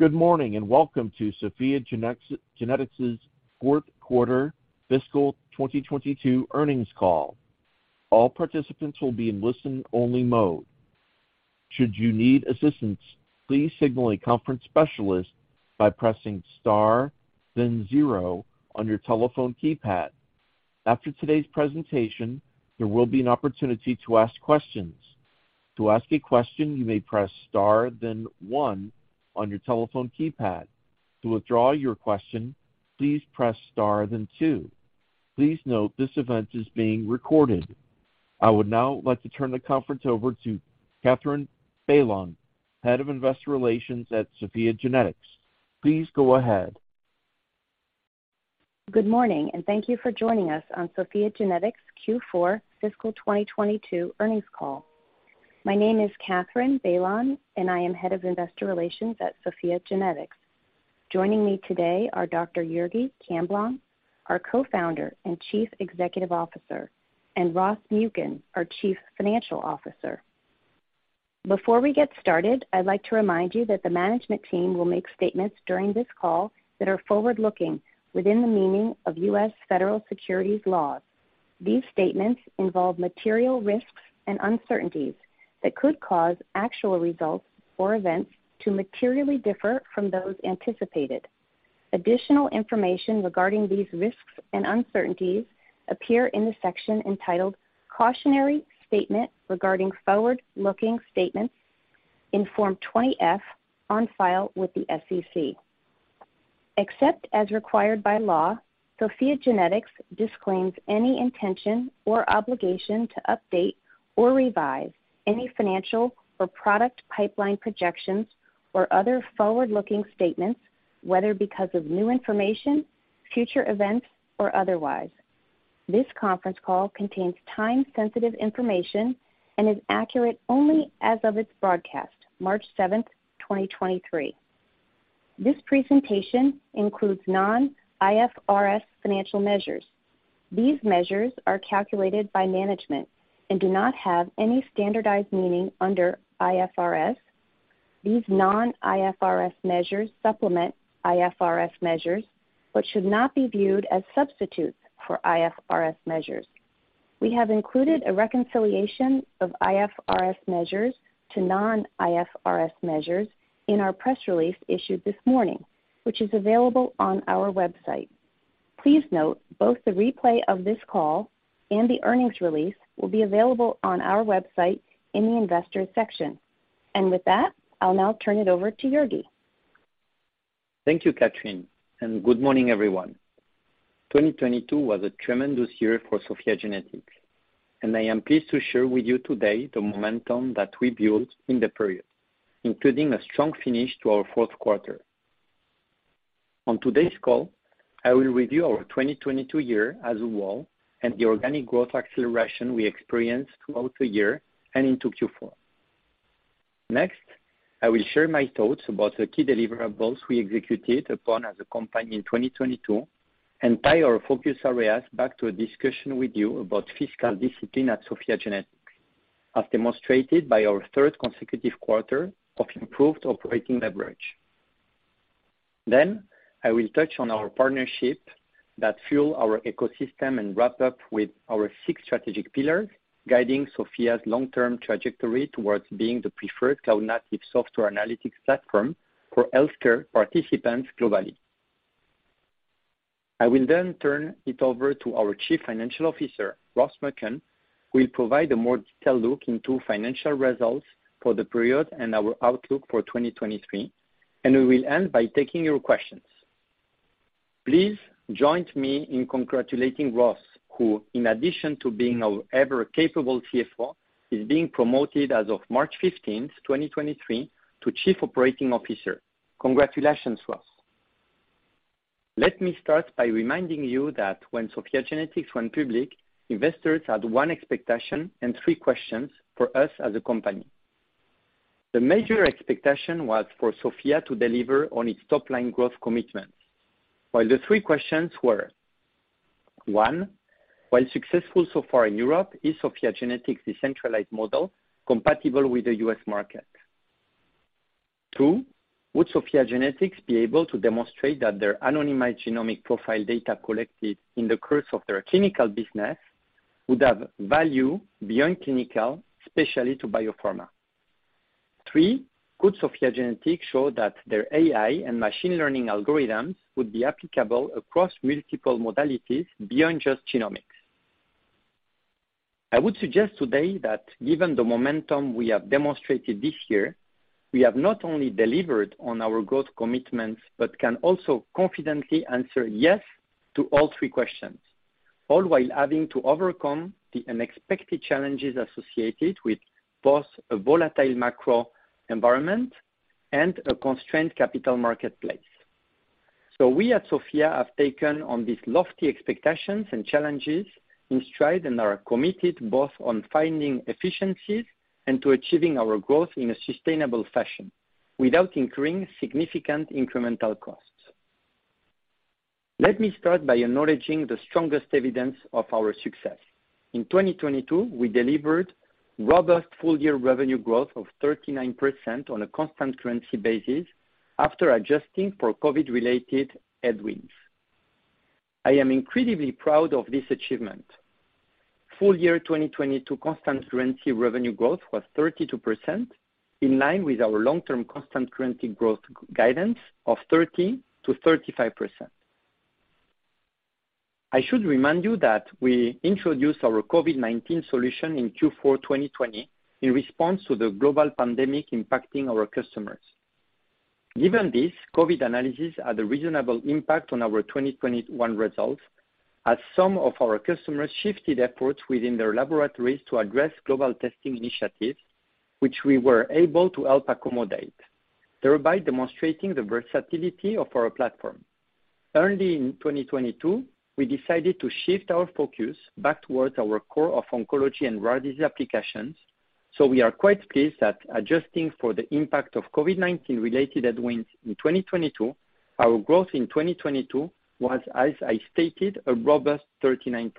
Good morning, welcome to SOPHiA GENETICS' fourth quarter fiscal 2022 earnings call. All participants will be in listen-only mode. Should you need assistance, please signal a conference specialist by pressing star then zero on your telephone keypad. After today's presentation, there will be an opportunity to ask questions. To ask a question, you may press star then one on your telephone keypad. To withdraw your question, please press star then two. Please note this event is being recorded. I would now like to turn the conference over to Katherine Bailon, Head of Investor Relations at SOPHiA GENETICS. Please go ahead. Good morning, and thank you for joining us on SOPHiA GENETICS Q4 fiscal 2022 earnings call. My name is Katherine Bailon, and I am Head of Investor Relations at SOPHiA GENETICS. Joining me today are Dr. Jurgi Camblong, our Co-founder and Chief Executive Officer, and Ross Muken, our Chief Financial Officer. Before we get started, I'd like to remind you that the management team will make statements during this call that are forward-looking within the meaning of U.S. Federal Securities Laws. These statements involve material risks and uncertainties that could cause actual results or events to materially differ from those anticipated. Additional information regarding these risks and uncertainties appear in the section entitled "Cautionary Statement Regarding Forward-Looking Statements" in Form 20-F on file with the SEC. Except as required by law, SOPHiA GENETICS disclaims any intention or obligation to update or revise any financial or product pipeline projections or other forward-looking statements, whether because of new information, future events or otherwise. This conference call contains time-sensitive information and is accurate only as of its broadcast, March 7, 2023. This presentation includes non-IFRS financial measures. These measures are calculated by management and do not have any standardized meaning under IFRS. These non-IFRS measures supplement IFRS measures, but should not be viewed as substitutes for IFRS measures. We have included a reconciliation of IFRS measures to non-IFRS measures in our press release issued this morning, which is available on our website. Please note both the replay of this call and the earnings release will be available on our website in the investor section. With that, I'll now turn it over to Jurgi. Thank you, Katherine, good morning, everyone. 2022 was a tremendous year for SOPHiA GENETICS, I am pleased to share with you today the momentum that we built in the period, including a strong finish to our fourth quarter. On today's call, I will review our 2022 year as a whole and the organic growth acceleration we experienced throughout the year and into Q4. I will share my thoughts about the key deliverables we executed upon as a company in 2022 and tie our focus areas back to a discussion with you about fiscal discipline at SOPHiA GENETICS, as demonstrated by our third consecutive quarter of improved operating leverage. I will touch on our partnership that fuel our ecosystem and wrap up with our six strategic pillars guiding SOPHiA's long-term trajectory towards being the preferred cloud-native software analytics platform for healthcare participants globally. I will turn it over to our Chief Financial Officer, Ross Muken, who will provide a more detailed look into financial results for the period and our outlook for 2023. We will end by taking your questions. Please join me in congratulating Ross, who, in addition to being our ever-capable CFO, is being promoted as of March 15, 2023 to Chief Operating Officer. Congratulations, Ross. Let me start by reminding you that when SOPHiA GENETICS went public, investors had one expectation and three questions for us as a company. The major expectation was for SOPHiA to deliver on its top line growth commitments. The three questions were. One, while successful so far in Europe, is SOPHiA GENETICS' decentralized model compatible with the U.S. market? Two, would SOPHiA GENETICS be able to demonstrate that their anonymized genomic profile data collected in the course of their clinical business would have value beyond clinical, especially to biopharma? Three, could SOPHiA GENETICS show that their AI and machine learning algorithms would be applicable across multiple modalities beyond just genomics? I would suggest today that given the momentum we have demonstrated this year, we have not only delivered on our growth commitments, but can also confidently answer yes to all three questions, all while having to overcome the unexpected challenges associated with both a volatile macro environment and a constrained capital marketplace. We at SOPHiA have taken on these lofty expectations and challenges in stride and are committed both on finding efficiencies and to achieving our growth in a sustainable fashion without incurring significant incremental costs. Let me start by acknowledging the strongest evidence of our success. In 2022, we delivered robust full-year revenue growth of 39% on a constant currency basis after adjusting for COVID-related headwinds. I am incredibly proud of this achievement. Full year 2022 constant currency revenue growth was 32%, in line with our long-term constant currency growth guidance of 30%-35%. I should remind you that we introduced our COVID-19 solution in Q4 2020 in response to the global pandemic impacting our customers. Given this, COVID analysis had a reasonable impact on our 2021 results, as some of our customers shifted efforts within their laboratories to address global testing initiatives, which we were able to help accommodate, thereby demonstrating the versatility of our platform. Early in 2022, we decided to shift our focus back towards our core of oncology and rare disease applications. We are quite pleased that adjusting for the impact of COVID-19 related headwinds in 2022, our growth in 2022 was, as I stated, a robust 39%.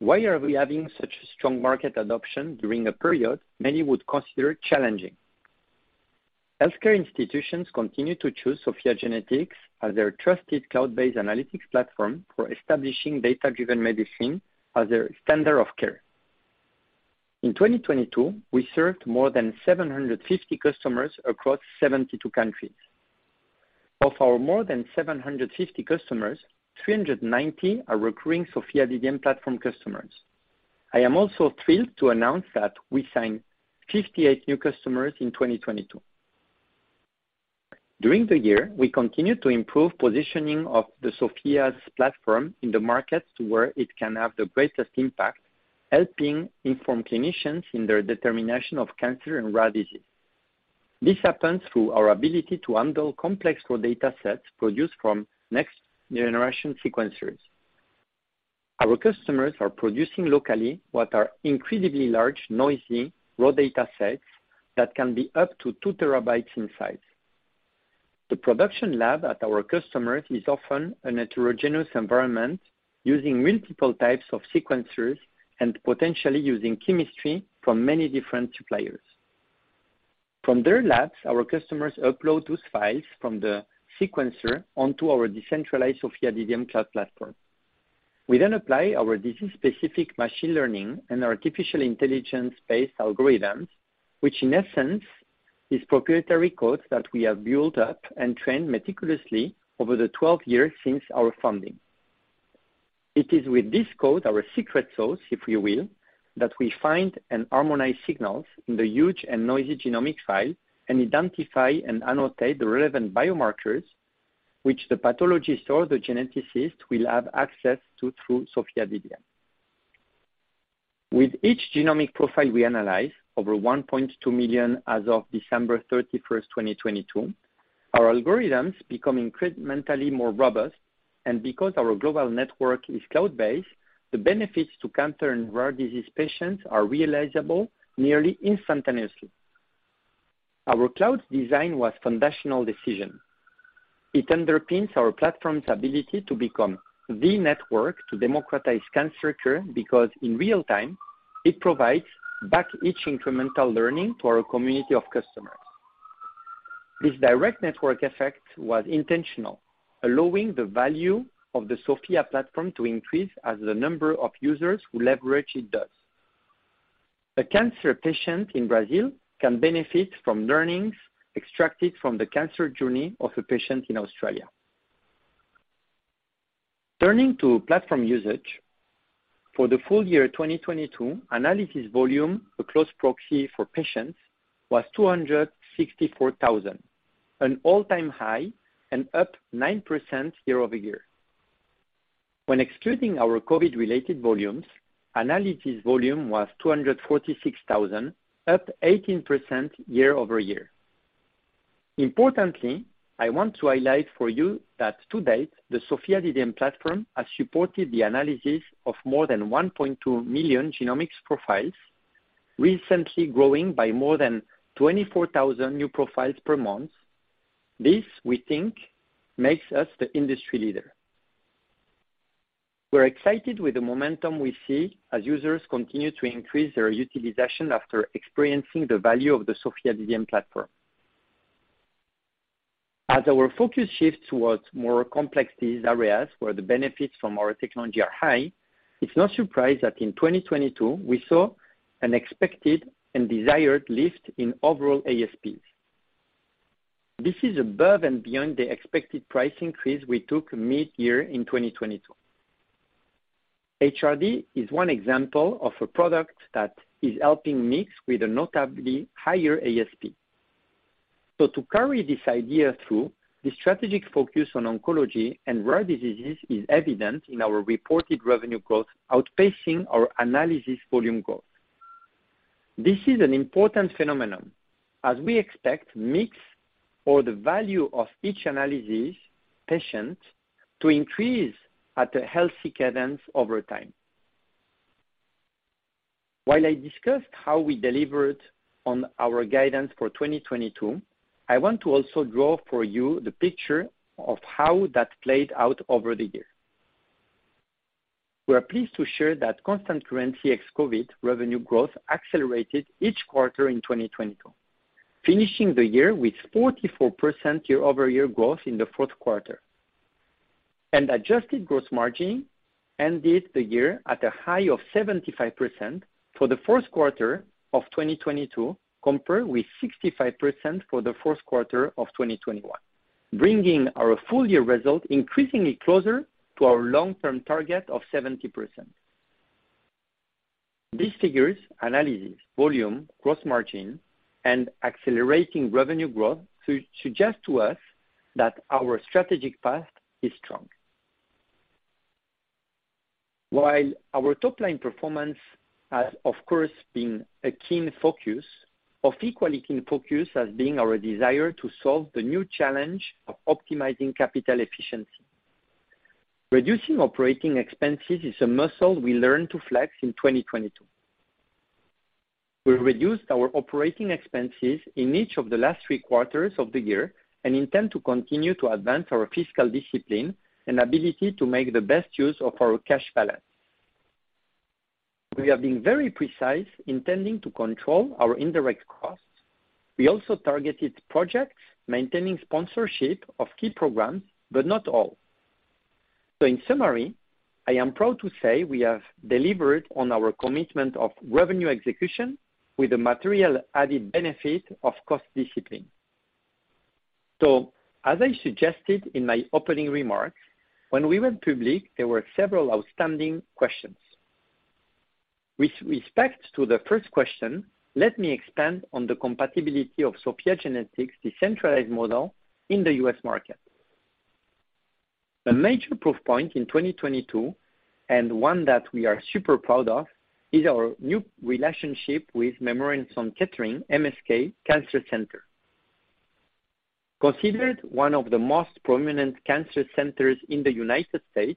Why are we having such strong market adoption during a period many would consider challenging? Healthcare institutions continue to choose SOPHiA GENETICS as their trusted cloud-based analytics platform for establishing data-driven medicine as their standard of care. In 2022, we served more than 750 customers across 72 countries. Of our more than 750 customers, 390 are recurring SOPHiA DDM platform customers. I am also thrilled to announce that we signed 58 new customers in 2022. During the year, we continued to improve positioning of the SOPHiA's platform in the markets where it can have the greatest impact, helping inform clinicians in their determination of cancer and rare disease. This happens through our ability to handle complex raw datasets produced from next-generation sequencers. Our customers are producing locally what are incredibly large, noisy, raw datasets that can be up to 2 TB in size. The production lab at our customers is often a heterogeneous environment, using multiple types of sequencers and potentially using chemistry from many different suppliers. From their labs, our customers upload those files from the sequencer onto our decentralized SOPHiA DDM cloud platform. We apply our disease-specific machine learning and artificial intelligence-based algorithms, which in essence is proprietary code that we have built up and trained meticulously over the 12 years since our founding. It is with this code, our secret sauce, if you will, that we find and harmonize signals in the huge and noisy genomic file and identify and annotate the relevant biomarkers which the pathologist or the geneticist will have access to through SOPHiA DDM. With each genomic profile we analyze, over 1.2 million as of December 31st, 2022, our algorithms become incrementally more robust. Because our global network is cloud-based, the benefits to cancer and rare disease patients are realizable nearly instantaneously. Our cloud design was foundational decision. It underpins our platform's ability to become the network to democratize cancer care, because in real time, it provides back each incremental learning to our community of customers. This direct network effect was intentional, allowing the value of the SOPHiA platform to increase as the number of users who leverage it does. A cancer patient in Brazil can benefit from learnings extracted from the cancer journey of a patient in Australia. Turning to platform usage, for the full year 2022, analysis volume, a close proxy for patients, was 264,000, an all-time high and up 9% year-over-year. When excluding our COVID-related volumes, analysis volume was 246,000, up 18% year-over-year. Importantly, I want to highlight for you that to date, the SOPHiA DDM platform has supported the analysis of more than 1.2 million genomics profiles, recently growing by more than 24,000 new profiles per month. This, we think, makes us the industry leader. We're excited with the momentum we see as users continue to increase their utilization after experiencing the value of the SOPHiA DDM platform. As our focus shifts towards more complex disease areas where the benefits from our technology are high, it's no surprise that in 2022 we saw an expected and desired lift in overall ASPs. This is above and beyond the expected price increase we took mid-year in 2022. HRD is one example of a product that is helping mix with a notably higher ASP. To carry this idea through, the strategic focus on oncology and rare diseases is evident in our reported revenue growth outpacing our analysis volume growth. This is an important phenomenon as we expect mix or the value of each analysis patient to increase at a healthy cadence over time. While I discussed how we delivered on our guidance for 2022, I want to also draw for you the picture of how that played out over the year. We are pleased to share that constant currency ex COVID revenue growth accelerated each quarter in 2022, finishing the year with 44% year-over-year growth in the fourth quarter. Adjusted gross margin ended the year at a high of 75% for the first quarter of 2022, compared with 65% for the first quarter of 2021, bringing our full year results increasingly closer to our long-term target of 70%. These figures, analysis, volume, gross margin, and accelerating revenue growth suggest to us that our strategic path is strong. While our top line performance has, of course, been a keen focus, of equal keen focus has been our desire to solve the new challenge of optimizing capital efficiency. Reducing operating expenses is a muscle we learned to flex in 2022. We reduced our operating expenses in each of the last three quarters of the year and intend to continue to advance our fiscal discipline and ability to make the best use of our cash balance. We have been very precise intending to control our indirect costs. We also targeted projects, maintaining sponsorship of key programs, but not all. In summary, I am proud to say we have delivered on our commitment of revenue execution with the material added benefit of cost discipline. As I suggested in my opening remarks, when we went public, there were several outstanding questions. With respect to the first question, let me expand on the compatibility of SOPHiA GENETICS' decentralized model in the U.S. market. A major proof point in 2022, and one that we are super proud of, is our new relationship with Memorial Sloan Kettering, MSK, Cancer Center. Considered one of the most prominent cancer centers in the U.S.,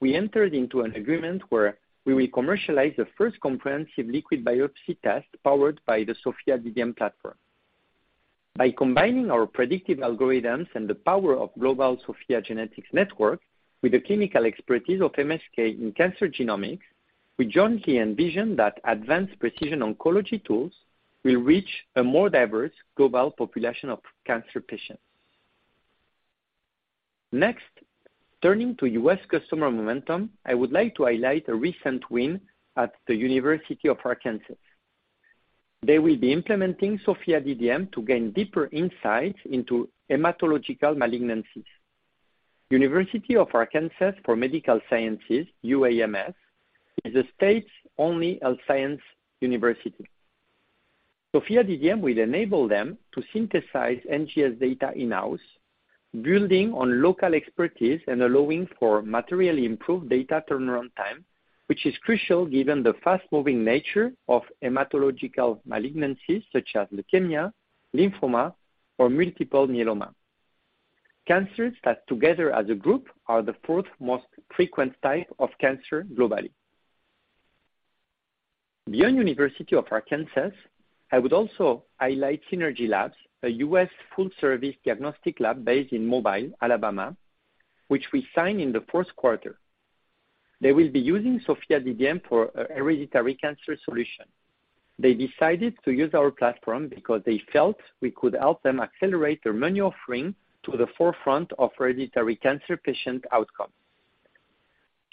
we entered into an agreement where we will commercialize the first comprehensive liquid biopsy test powered by the SOPHiA DDM platform. By combining our predictive algorithms and the power of global SOPHiA GENETICS network with the clinical expertise of MSK in cancer genomics, we jointly envision that advanced precision oncology tools will reach a more diverse global population of cancer patients. Turning to U.S. customer momentum, I would like to highlight a recent win at the University of Arkansas. They will be implementing SOPHiA DDM to gain deeper insights into hematological malignancies. University of Arkansas for Medical Sciences, UAMS, is the state's only health science university. SOPHiA DDM will enable them to synthesize NGS data in-house, building on local expertise and allowing for materially improved data turnaround time, which is crucial given the fast moving nature of hematological malignancies such as leukemia, lymphoma, or multiple myeloma. Cancers that together as a group are the fourth most frequent type of cancer globally. Beyond University of Arkansas, I would also highlight Synergy Labs, a U.S. full-service diagnostic lab based in Mobile, Alabama, which we signed in the first quarter. They will be using SOPHiA DDM for a hereditary cancer solution. They decided to use our platform because they felt we could help them accelerate their menu offering to the forefront of hereditary cancer patient outcome.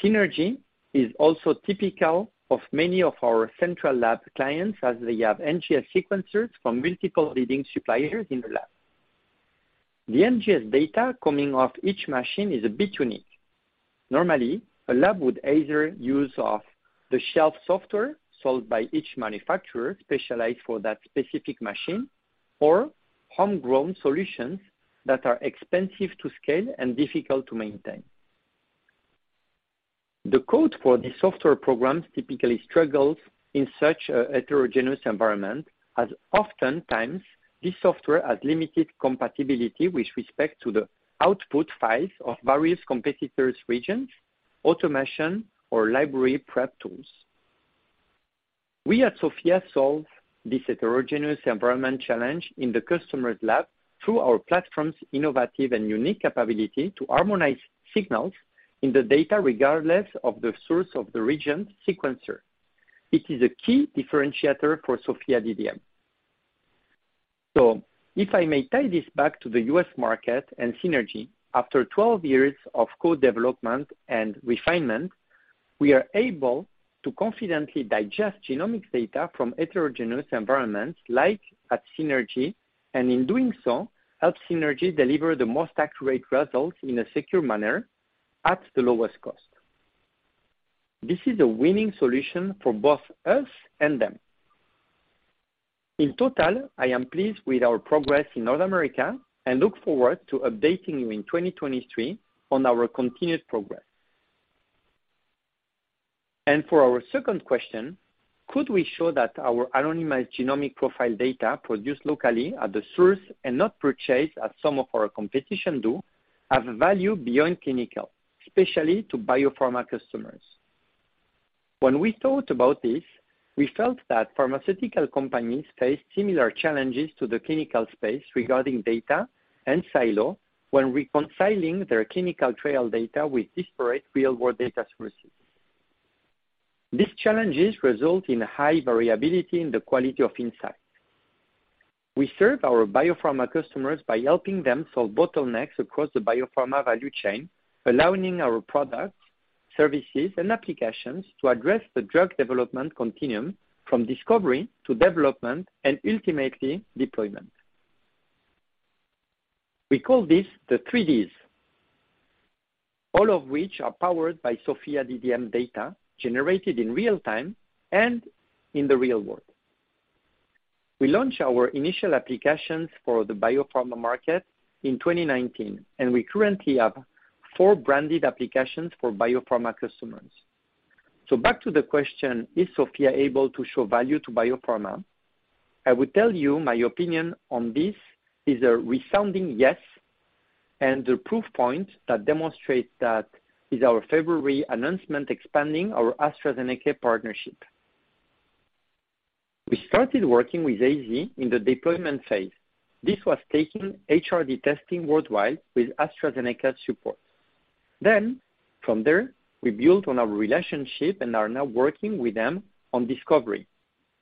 Synergy is also typical of many of our central lab clients as they have NGS sequencers from multiple leading suppliers in the lab. The NGS data coming off each machine is a bit unique. Normally, a lab would either use off-the-shelf software sold by each manufacturer specialized for that specific machine or homegrown solutions that are expensive to scale and difficult to maintain. The code for the software programs typically struggles in such a heterogeneous environment as oftentimes this software has limited compatibility with respect to the output files of various competitors' regions, automation, or library prep tools. We at SOPHiA solve this heterogeneous environment challenge in the customer's lab through our platform's innovative and unique capability to harmonize signals in the data, regardless of the source of the region sequencer. It is a key differentiator for SOPHiA DDM. If I may tie this back to the U.S. market and Synergy, after 12 years of code development and refinement, we are able to confidently digest genomics data from heterogeneous environments like at Synergy, and in doing so, help Synergy deliver the most accurate results in a secure manner at the lowest cost. This is a winning solution for both us and them. In total, I am pleased with our progress in North America and look forward to updating you in 2023 on our continued progress. For our second question, could we show that our anonymized genomic profile data produced locally at the source and not purchased as some of our competition do, have value beyond clinical? Especially to biopharma customers. When we thought about this, we felt that pharmaceutical companies face similar challenges to the clinical space regarding data and silo when reconciling their clinical trial data with disparate real world data sources. These challenges result in high variability in the quality of insights. We serve our biopharma customers by helping them solve bottlenecks across the biopharma value chain, allowing our products, services, and applications to address the drug development continuum from discovery to development and ultimately deployment. We call this the 3 Ds, all of which are powered by SOPHiA DDM data generated in real time and in the real world. We launched our initial applications for the biopharma market in 2019, and we currently have 4 branded applications for biopharma customers. Back to the question, is SOPHiA able to show value to biopharma? I will tell you my opinion on this is a resounding yes, and the proof point that demonstrates that is our February announcement expanding our AstraZeneca partnership. We started working with AZ in the deployment phase. This was taking HRD testing worldwide with AstraZeneca support. From there, we built on our relationship and are now working with them on discovery.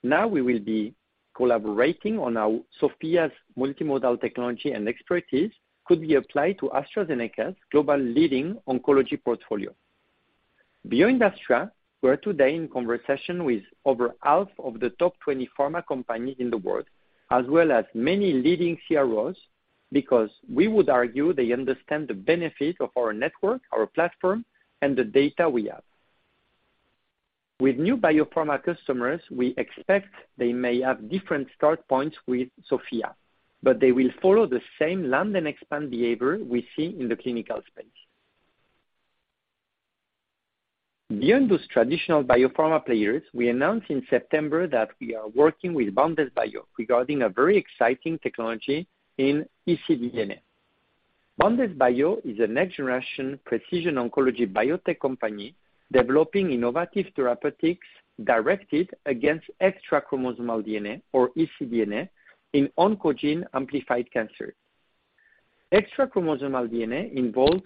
Now we will be collaborating on how SOPHiA's multimodal technology and expertise could be applied to AstraZeneca's global leading oncology portfolio. Bioindustria, we're today in conversation with over half of the top 20 pharma companies in the world, as well as many leading CROs, because we would argue they understand the benefit of our network, our platform, and the data we have. With new biopharma customers, we expect they may have different start points with SOPHiA, but they will follow the same land and expand behavior we see in the clinical space. Beyond those traditional biopharma players, we announced in September that we are working with Boundless Bio regarding a very exciting technology in ecDNA. Boundless Bio is a next generation precision oncology biotech company developing innovative therapeutics directed against extrachromosomal DNA or ecDNA in oncogene amplified cancer. Extrachromosomal DNA involves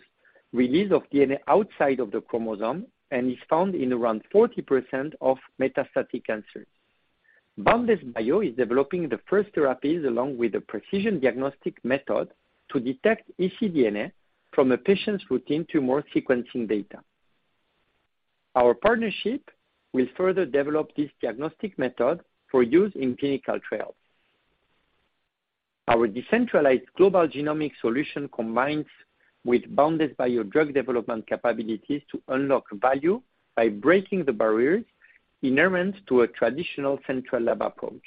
release of DNA outside of the chromosome and is found in around 40% of metastatic cancer. Boundless Bio is developing the first therapies along with a precision diagnostic method to detect ecDNA from a patient's routine to more sequencing data. Our partnership will further develop this diagnostic method for use in clinical trials. Our decentralized global genomic solution combines with Boundless Bio drug development capabilities to unlock value by breaking the barriers inherent to a traditional central lab approach.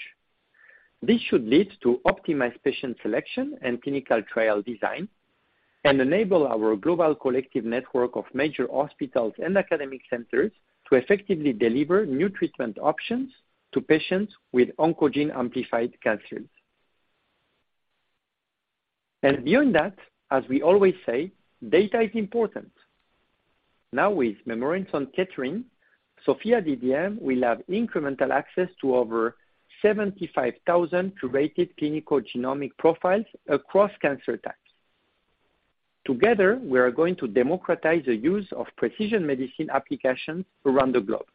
This should lead to optimized patient selection and clinical trial design and enable our global collective network of major hospitals and academic centers to effectively deliver new treatment options to patients with oncogene amplified cancers. Beyond that, as we always say, data is important. Now, with Memorial Sloan Kettering, SOPHiA DDM will have incremental access to over 75,000 curated clinical genomic profiles across cancer types. Together, we are going to democratize the use of precision medicine applications around the globe.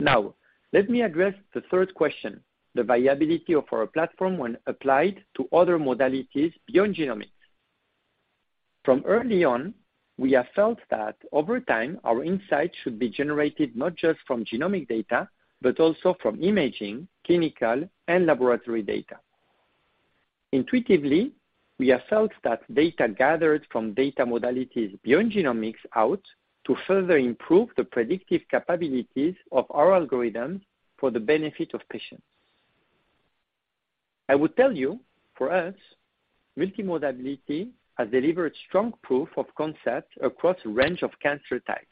Now, let me address the third question, the viability of our platform when applied to other modalities beyond genomics. From early on, we have felt that over time, our insights should be generated not just from genomic data, but also from imaging, clinical, and laboratory data. Intuitively, we have felt that data gathered from data modalities beyond genomics out to further improve the predictive capabilities of our algorithms for the benefit of patients. I will tell you, for us, multimodality has delivered strong proof of concept across a range of cancer types.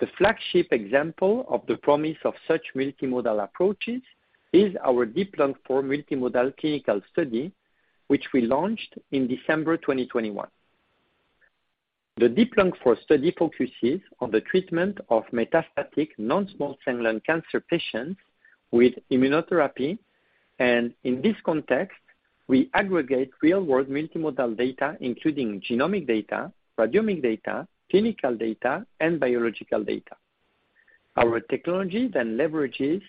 The flagship example of the promise of such multimodal approaches is our DEEP-Lung-IV study multimodal clinical study, which we launched in December 2021. The DEEP-Lung-IV study focuses on the treatment of metastatic non-small cell lung cancer patients with immunotherapy, and in this context, we aggregate real world multimodal data including genomic data, radiomic data, clinical data, and biological data. Our technology leverages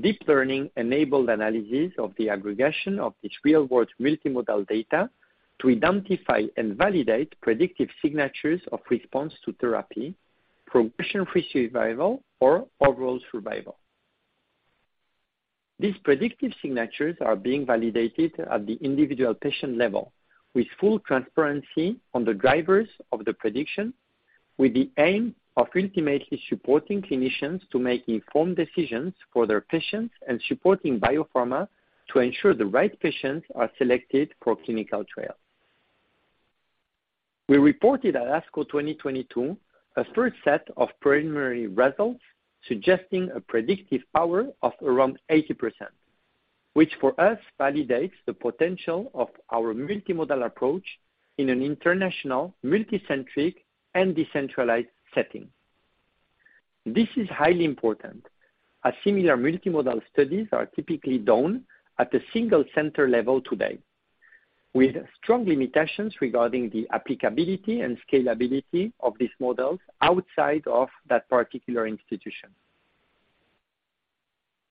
deep learning-enabled analysis of the aggregation of this real world multimodal data to identify and validate predictive signatures of response to therapy, progression-free survival, or overall survival. These predictive signatures are being validated at the individual patient level with full transparency on the drivers of the prediction, with the aim of ultimately supporting clinicians to make informed decisions for their patients and supporting biopharma to ensure the right patients are selected for clinical trials. We reported at ASCO 2022 a first set of preliminary results suggesting a predictive power of around 80%. Which for us validates the potential of our multimodal approach in an international multicentric and decentralized setting. This is highly important, as similar multimodal studies are typically done at the single center level today, with strong limitations regarding the applicability and scalability of these models outside of that particular institution.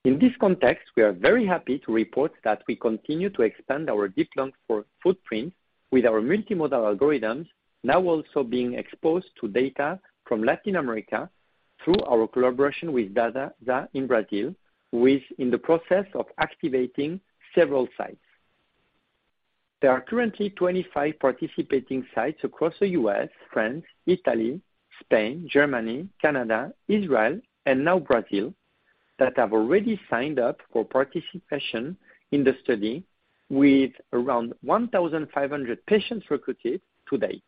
In this context, we are very happy to report that we continue to expand our DEEP-Lung-IV study for footprint with our multimodal algorithms now also being exposed to data from Latin America through our collaboration with Dasa in Brazil, with in the process of activating several sites. There are currently 25 participating sites across the U.S., France, Italy, Spain, Germany, Canada, Israel, and now Brazil, that have already signed up for participation in the study with around 1,500 patients recruited to date.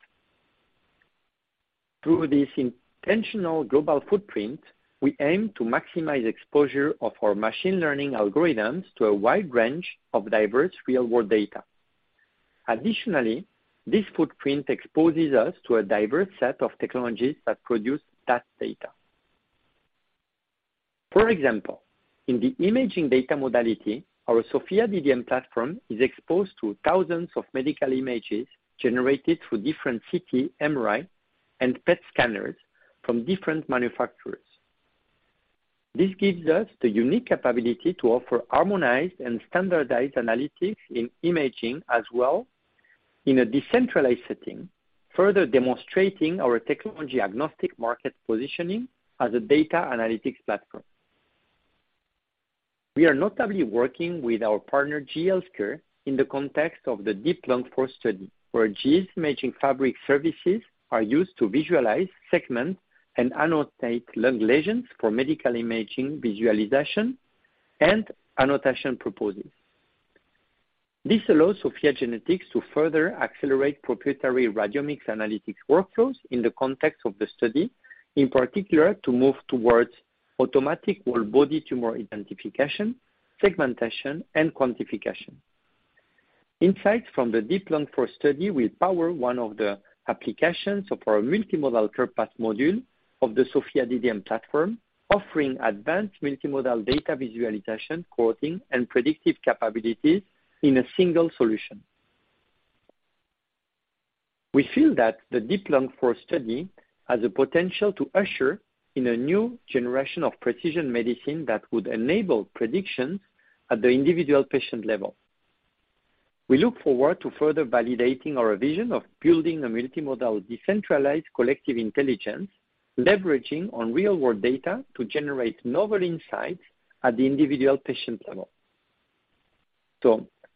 Through this intentional global footprint, we aim to maximize exposure of our machine learning algorithms to a wide range of diverse real-world data. Additionally, this footprint exposes us to a diverse set of technologies that produce that data. For example, in the imaging data modality, our SOPHiA DDM platform is exposed to thousands of medical images generated through different CT, MRI, and PET scanners from different manufacturers. This gives us the unique capability to offer harmonized and standardized analytics in imaging as well in a decentralized setting, further demonstrating our technology agnostic market positioning as a data analytics platform. We are notably working with our partner, GE HealthCare, in the context of the DEEP-Lung-IV study, where GE's Imaging Fabric services are used to visualize, segment, and annotate lung lesions for medical imaging visualization and annotation purposes. This allows SOPHiA GENETICS to further accelerate proprietary radiomics analytics workflows in the context of the study, in particular, to move towards automatic whole body tumor identification, segmentation, and quantification. Insights from the DEEP-Lung-IV study will power one of the applications of our multimodal CarePath module of the SOPHiA DDM platform, offering advanced multimodal data visualization, cohorting, and predictive capabilities in a single solution. We feel that the DEEP-Lung-IV study has the potential to usher in a new generation of precision medicine that would enable predictions at the individual patient level. We look forward to further validating our vision of building a multimodal, decentralized collective intelligence, leveraging on real-world data to generate novel insights at the individual patient level.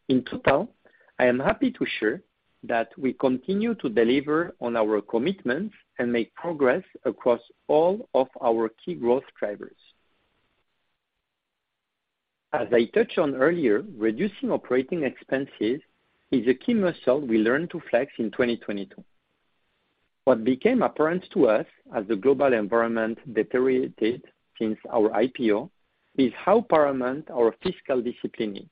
In total, I am happy to share that we continue to deliver on our commitments and make progress across all of our key growth drivers. As I touched on earlier, reducing operating expenses is a key muscle we learned to flex in 2022. What became apparent to us as the global environment deteriorated since our IPO is how paramount our fiscal discipline is.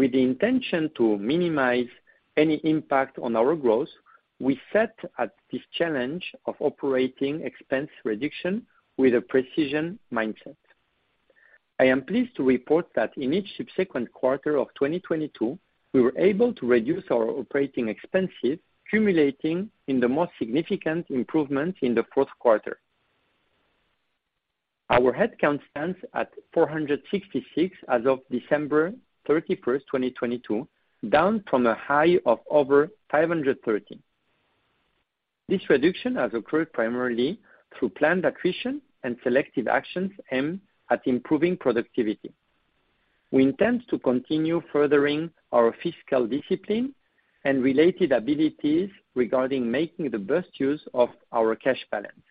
With the intention to minimize any impact on our growth, we set at this challenge of operating expense reduction with a precision mindset. I am pleased to report that in each subsequent quarter of 2022, we were able to reduce our operating expenses, cumulating in the most significant improvement in the fourth quarter. Our headcount stands at 466 as of December 31st, 2022, down from a high of over 530. This reduction has occurred primarily through planned attrition and selective actions aimed at improving productivity. We intend to continue furthering our fiscal discipline and related abilities regarding making the best use of our cash balance.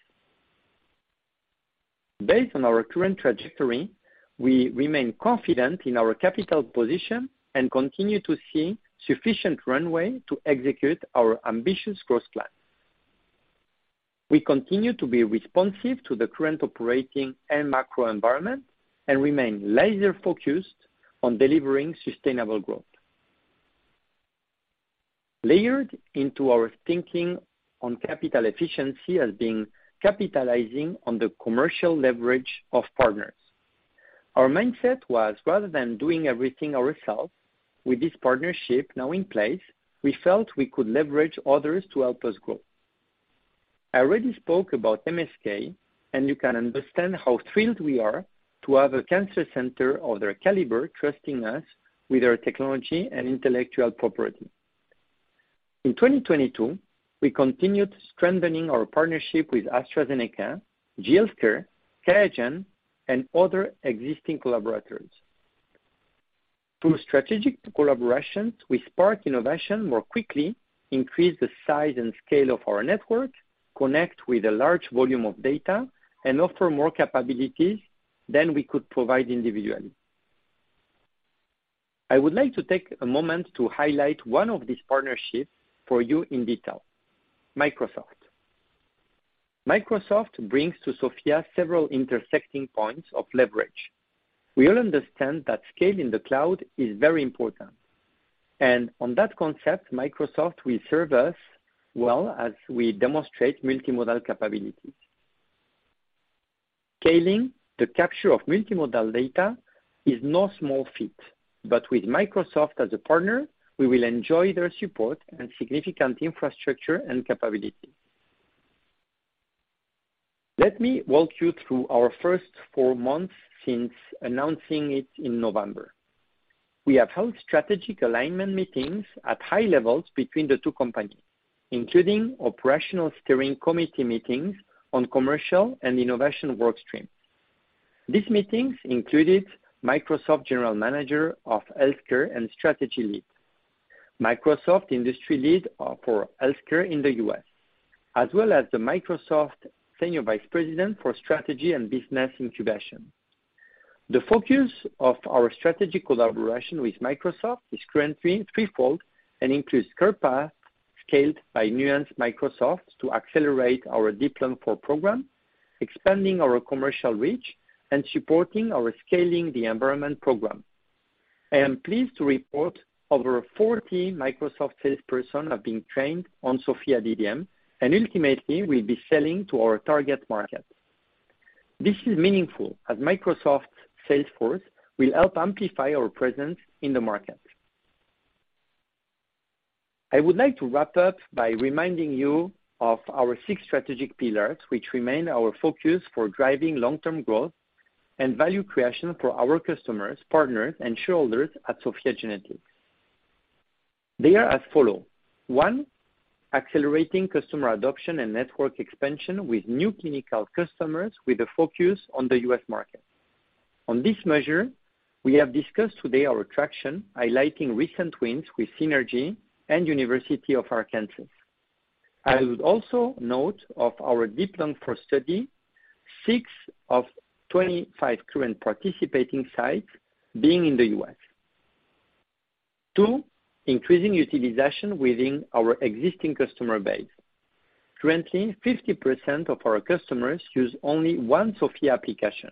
Based on our current trajectory, we remain confident in our capital position and continue to see sufficient runway to execute our ambitious growth plans. We continue to be responsive to the current operating and macro environment and remain laser-focused on delivering sustainable growth. Layered into our thinking on capital efficiency has been capitalizing on the commercial leverage of partners. Our mindset was, rather than doing everything ourselves with this partnership now in place, we felt we could leverage others to help us grow. I already spoke about MSK, and you can understand how thrilled we are to have a cancer center of their caliber trusting us with our technology and intellectual property. In 2022, we continued strengthening our partnership with AstraZeneca, GE HealthCare, QIAGEN, and other existing collaborators. Through strategic collaborations, we spark innovation more quickly, increase the size and scale of our network, connect with a large volume of data, and offer more capabilities than we could provide individually. I would like to take a moment to highlight one of these partnerships for you in detail. Microsoft. Microsoft brings to SOPHiA several intersecting points of leverage. We all understand that scale in the cloud is very important. On that concept, Microsoft will serve us well as we demonstrate multimodal capabilities. Scaling the capture of multimodal data is no small feat. With Microsoft as a partner, we will enjoy their support and significant infrastructure and capability. Let me walk you through our first four months since announcing it in November. We have held strategic alignment meetings at high levels between the two companies, including operational steering committee meetings on commercial and innovation work streams. These meetings included Microsoft General Manager of Healthcare and Strategy Lead, Microsoft Industry Lead for healthcare in the U.S., as well as the Microsoft Senior Vice President for Strategy and Business Incubation. The focus of our strategic collaboration with Microsoft is currently threefold and includes CarePath scaled by Nuance Microsoft to accelerate our DEEP-Lung-IV program, expanding our commercial reach and supporting our Scaling the Environment program. I am pleased to report over 40 Microsoft salespersons have been trained on SOPHiA DDM and ultimately will be selling to our target market. This is meaningful as Microsoft sales force will help amplify our presence in the market. I would like to wrap up by reminding you of our six strategic pillars, which remain our focus for driving long-term growth and value creation for our customers, partners, and shareholders at SOPHiA GENETICS. They are as follow. One, accelerating customer adoption and network expansion with new clinical customers with a focus on the U.S. market. On this measure, we have discussed today our traction, highlighting recent wins with Synergy and University of Arkansas. I would also note of our DEEP-Lung-IV study, 6 of 25 current participating sites being in the U.S. Two, increasing utilization within our existing customer base. Currently, 50% of our customers use only one SOPHiA application,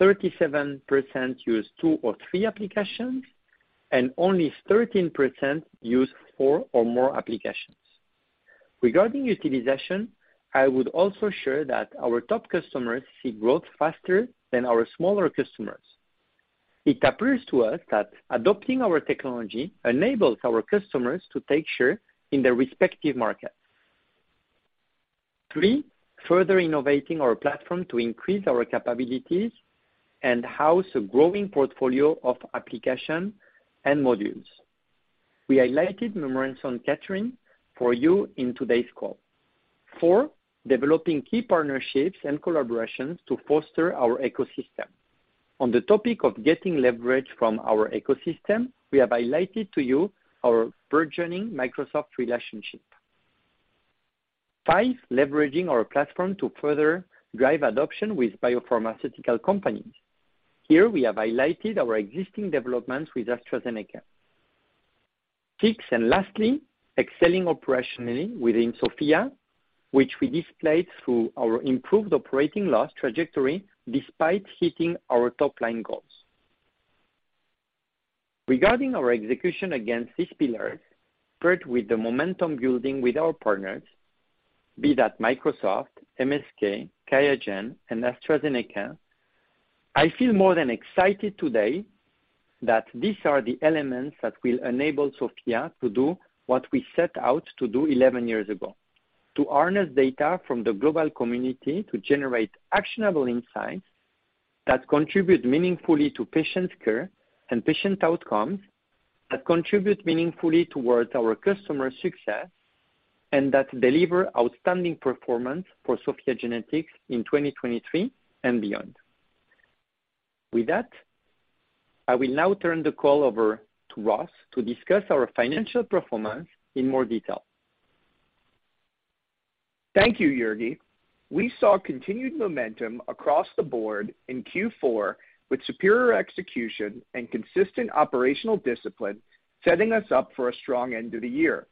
37% use two or three applications, and only 13% use four or more applications. Regarding utilization, I would also share that our top customers see growth faster than our smaller customers. It appears to us that adopting our technology enables our customers to take share in their respective markets. Three, further innovating our platform to increase our capabilities and house a growing portfolio of application and modules. We highlighted SOPHiA DDM's menu of offerings for you in today's call. Four, developing key partnerships and collaborations to foster our ecosystem. On the topic of getting leverage from our ecosystem, we have highlighted to you our burgeoning Microsoft relationship. Five, leveraging our platform to further drive adoption with biopharmaceutical companies. Here we have highlighted our existing developments with AstraZeneca. Six, lastly, excelling operationally within SOPHiA, which we displayed through our improved operating loss trajectory despite hitting our top-line goals. Regarding our execution against these pillars, paired with the momentum building with our partners, be that Microsoft, MSK, QIAGEN, and AstraZeneca, I feel more than excited today that these are the elements that will enable SOPHiA to do what we set out to do 11 years ago, to harness data from the global community to generate actionable insights that contribute meaningfully to patient care and patient outcomes, that contribute meaningfully towards our customers' success, and that deliver outstanding performance for SOPHiA GENETICS in 2023 and beyond. With that, I will now turn the call over to Ross to discuss our financial performance in more detail. Thank you, Jurgi. We saw continued momentum across the board in Q4 with superior execution and consistent operational discipline setting us up for a strong end to the year.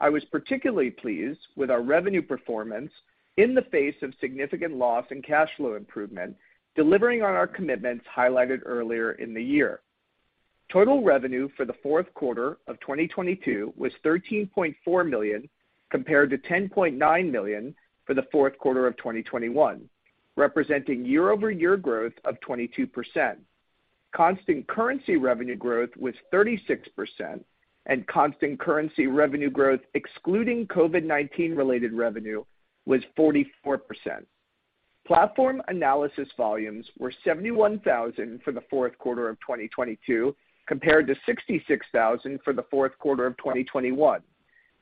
I was particularly pleased with our revenue performance in the face of significant loss and cash flow improvement, delivering on our commitments highlighted earlier in the year. Total revenue for the fourth quarter of 2022 was $13.4 million, compared to $10.9 million for the fourth quarter of 2021, representing year-over-year growth of 22%. Constant currency revenue growth was 36%, constant currency revenue growth excluding COVID-19 related revenue was 44%. Platform analysis volumes were 71,000 for the fourth quarter of 2022, compared to 66,000 for the fourth quarter of 2021.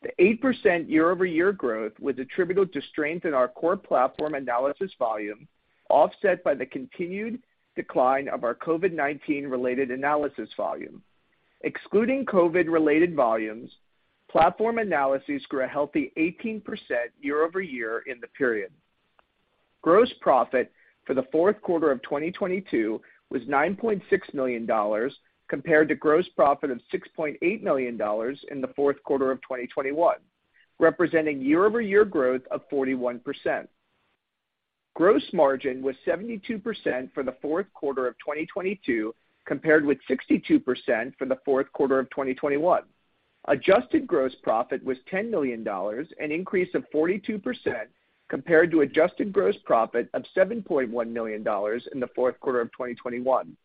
The 8% year-over-year growth was attributable to strength in our core platform analysis volume, offset by the continued decline of our COVID-19 related analysis volume. Excluding COVID-related volumes, platform analysis grew a healthy 18% year-over-year in the period. Gross profit for the fourth quarter of 2022 was $9.6 million compared to gross profit of $6.8 million in the fourth quarter of 2021, representing year-over-year growth of 41%. Gross margin was 72% for the fourth quarter of 2022 compared with 62% for the fourth quarter of 2021. Adjusted gross profit was $10 million, an increase of 42% compared to adjusted gross profit of $7.1 million in the fourth quarter of 2021.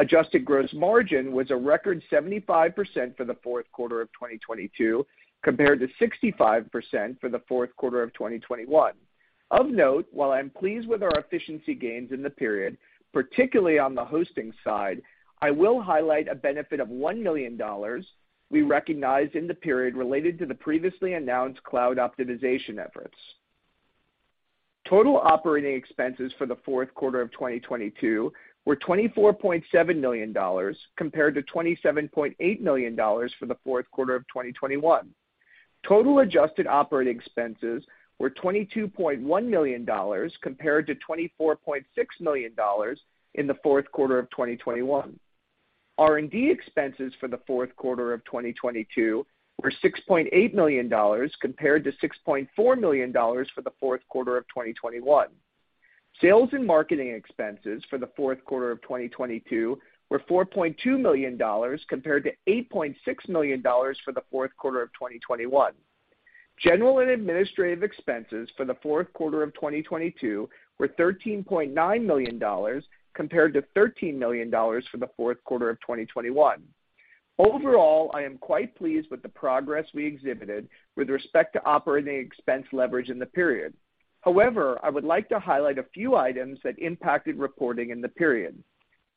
Adjusted gross margin was a record 75% for the fourth quarter of 2022 compared to 65% for the fourth quarter of 2021. Of note, while I'm pleased with our efficiency gains in the period, particularly on the hosting side, I will highlight a benefit of $1 million we recognized in the period related to the previously announced cloud optimization efforts. Total operating expenses for the fourth quarter of 2022 were $24.7 million compared to $27.8 million for the fourth quarter of 2021. Total adjusted operating expenses were $22.1 million compared to $24.6 million in the fourth quarter of 2021. R&D expenses for the fourth quarter of 2022 were $6.8 million compared to $6.4 million for the fourth quarter of 2021. Sales and marketing expenses for the fourth quarter of 2022 were $4.2 million compared to $8.6 million for the fourth quarter of 2021. General and administrative expenses for the fourth quarter of 2022 were $13.9 million compared to $13 million for the fourth quarter of 2021. Overall, I am quite pleased with the progress we exhibited with respect to operating expense leverage in the period. However, I would like to highlight a few items that impacted reporting in the period.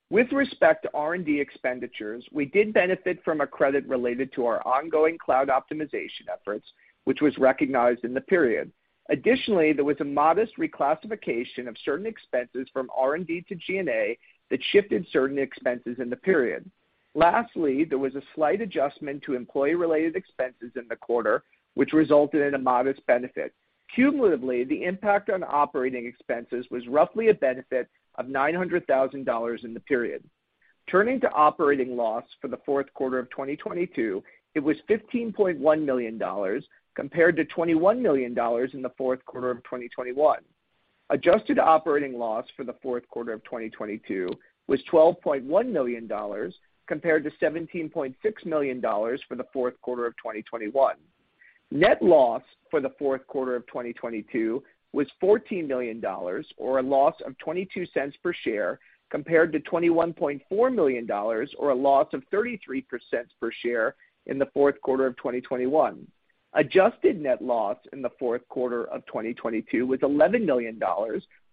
With respect to R&D expenditures, we did benefit from a credit related to our ongoing cloud optimization efforts, which was recognized in the period. Additionally, there was a modest reclassification of certain expenses from R&D to G&A that shifted certain expenses in the period. There was a slight adjustment to employee-related expenses in the quarter, which resulted in a modest benefit. Cumulatively, the impact on operating expenses was roughly a benefit of $900,000 in the period. Turning to operating loss for the fourth quarter of 2022, it was $15.1 million compared to $21 million in the fourth quarter of 2021. Adjusted operating loss for the fourth quarter of 2022 was $12.1 million compared to $17.6 million for the fourth quarter of 2021. Net loss for the fourth quarter of 2022 was $14 million or a loss of $0.22 per share, compared to $21.4 million or a loss of 33% per share in the fourth quarter of 2021. Adjusted net loss in the fourth quarter of 2022 was $11 million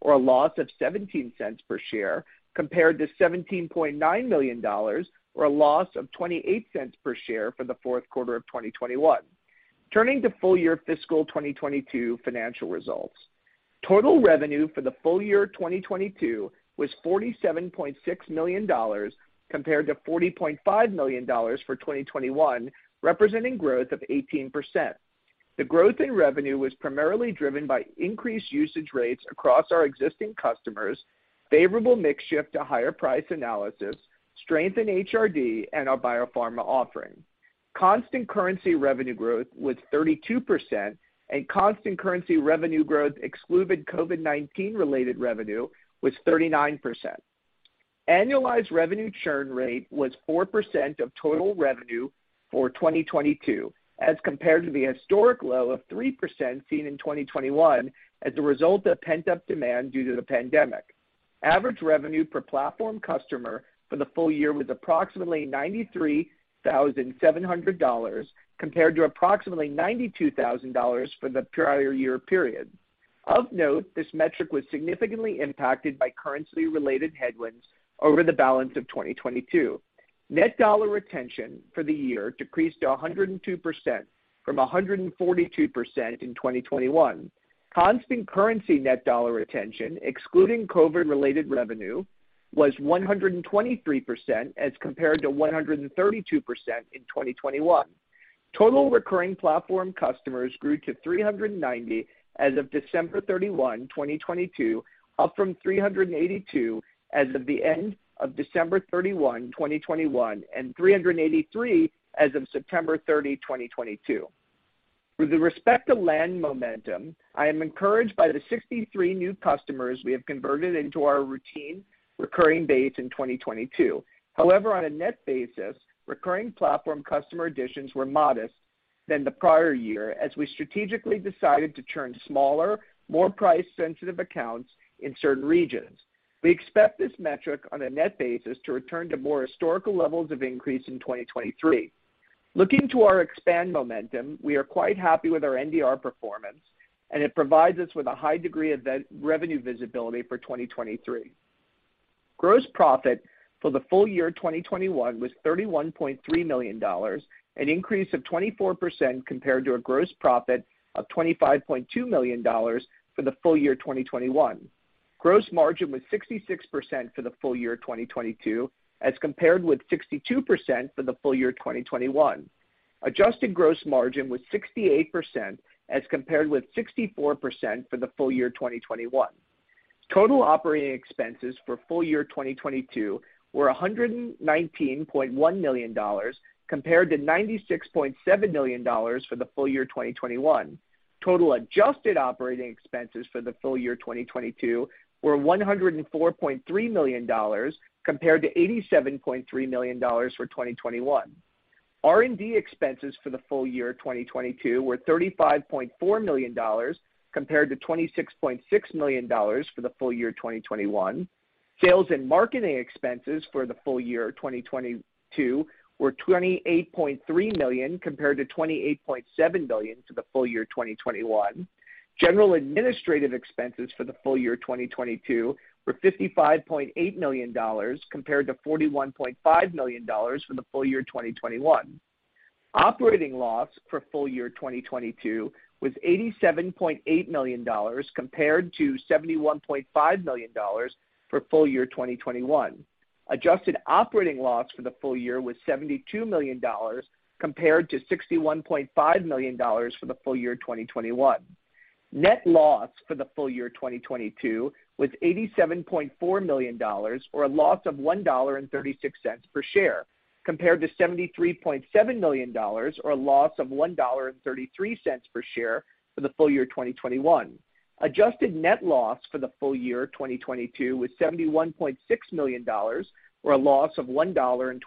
or a loss of $0.17 per share, compared to $17.9 million or a loss of $0.28 per share for the fourth quarter of 2021. Turning to full year fiscal 2022 financial results. Total revenue for the full year 2022 was $47.6 million, compared to $40.5 million for 2021, representing growth of 18%. The growth in revenue was primarily driven by increased usage rates across our existing customers, favorable mix shift to higher price analysis, strength in HRD, and our biopharma offering. Constant currency revenue growth was 32%, and constant currency revenue growth excluding COVID-19 related revenue was 39%. Annualized revenue churn rate was 4% of total revenue for 2022 as compared to the historic low of 3% seen in 2021 as a result of pent-up demand due to the pandemic. Average revenue per platform customer for the full year was approximately $93,700 compared to approximately $92,000 for the prior year period. Of note, this metric was significantly impacted by currency-related headwinds over the balance of 2022. Net dollar retention for the year decreased to 102% from 142% in 2021. Constant currency net dollar retention, excluding COVID-related revenue, was 123% as compared to 132% in 2021. Total recurring platform customers grew to 390 as of December 31, 2022, up from 382 as of the end of December 31, 2021, and 383 as of September 30, 2022. With respect to land momentum, I am encouraged by the 63 new customers we have converted into our routine recurring base in 2022. On a net basis, recurring platform customer additions were modest than the prior year as we strategically decided to turn smaller, more price-sensitive accounts in certain regions. We expect this metric on a net basis to return to more historical levels of increase in 2023. Looking to our expand momentum, we are quite happy with our NDR performance, and it provides us with a high degree of re-revenue visibility for 2023. Gross profit for the full year 2021 was $31.3 million, an increase of 24% compared to a gross profit of $25.2 million for the full year 2021. Gross margin was 66% for the full year 2022, as compared with 62% for the full year 2021. Adjusted gross margin was 68% as compared with 64% for the full year 2021. Total operating expenses for full year 2022 were $119.1 million compared to $96.7 million for the full year 2021. Total adjusted operating expenses for the full year 2022 were $104.3 million compared to $87.3 million for 2021. R&D expenses for the full year 2022 were $35.4 million compared to $26.6 million for the full year 2021. Sales and marketing expenses for the full year 2022 were $28.3 million compared to $28.7 million to the full year 2021. General administrative expenses for the full year 2022 were $55.8 million compared to $41.5 million for the full year 2021. Operating loss for full year 2022 was $87.8 million compared to $71.5 million for full year 2021. Adjusted operating loss for the full year was $72 million compared to $61.5 million for the full year 2021. Net loss for the full year 2022 was $87.4 million, or a loss of $1.36 per share, compared to $73.7 million or a loss of $1.33 per share for the full year 2021. Adjusted net loss for the full year 2022 was $71.6 million or a loss of $1.12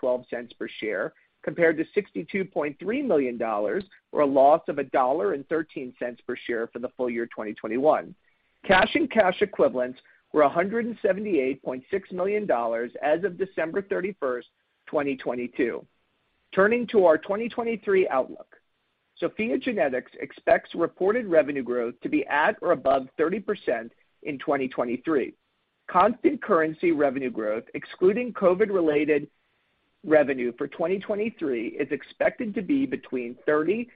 per share, compared to $62.3 million or a loss of $1.13 per share for the full year 2021. Cash and cash equivalents were $178.6 million as of December 31st, 2022. Turning to our 2023 outlook, SOPHiA GENETICS expects reported revenue growth to be at or above 30% in 2023. Constant currency revenue growth, excluding COVID-related revenue for 2023 is expected to be between 30%-35%,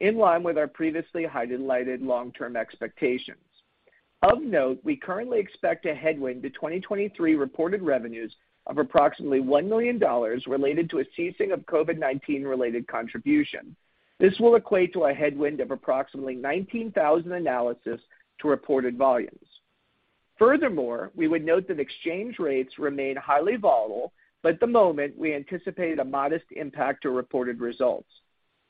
in line with our previously highlighted long-term expectations. Of note, we currently expect a headwind to 2023 reported revenues of approximately $1 million related to a ceasing of COVID-19 related contribution. This will equate to a headwind of approximately 19,000 analysis to reported volumes. We would note that exchange rates remain highly volatile. At the moment, we anticipate a modest impact to reported results.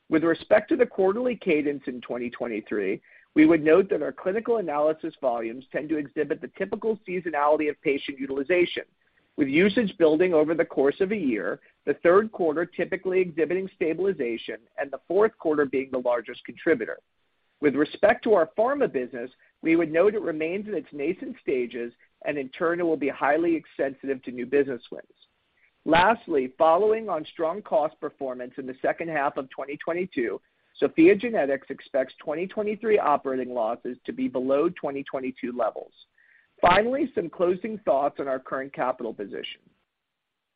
With respect to the quarterly cadence in 2023, we would note that our clinical analysis volumes tend to exhibit the typical seasonality of patient utilization, with usage building over the course of a year, the third quarter typically exhibiting stabilization and the fourth quarter being the largest contributor. With respect to our pharma business, we would note it remains in its nascent stages and in turn it will be highly extensive to new business wins. Following on strong cost performance in the second half of 2022, SOPHiA GENETICS expects 2023 operating losses to be below 2022 levels. Some closing thoughts on our current capital position.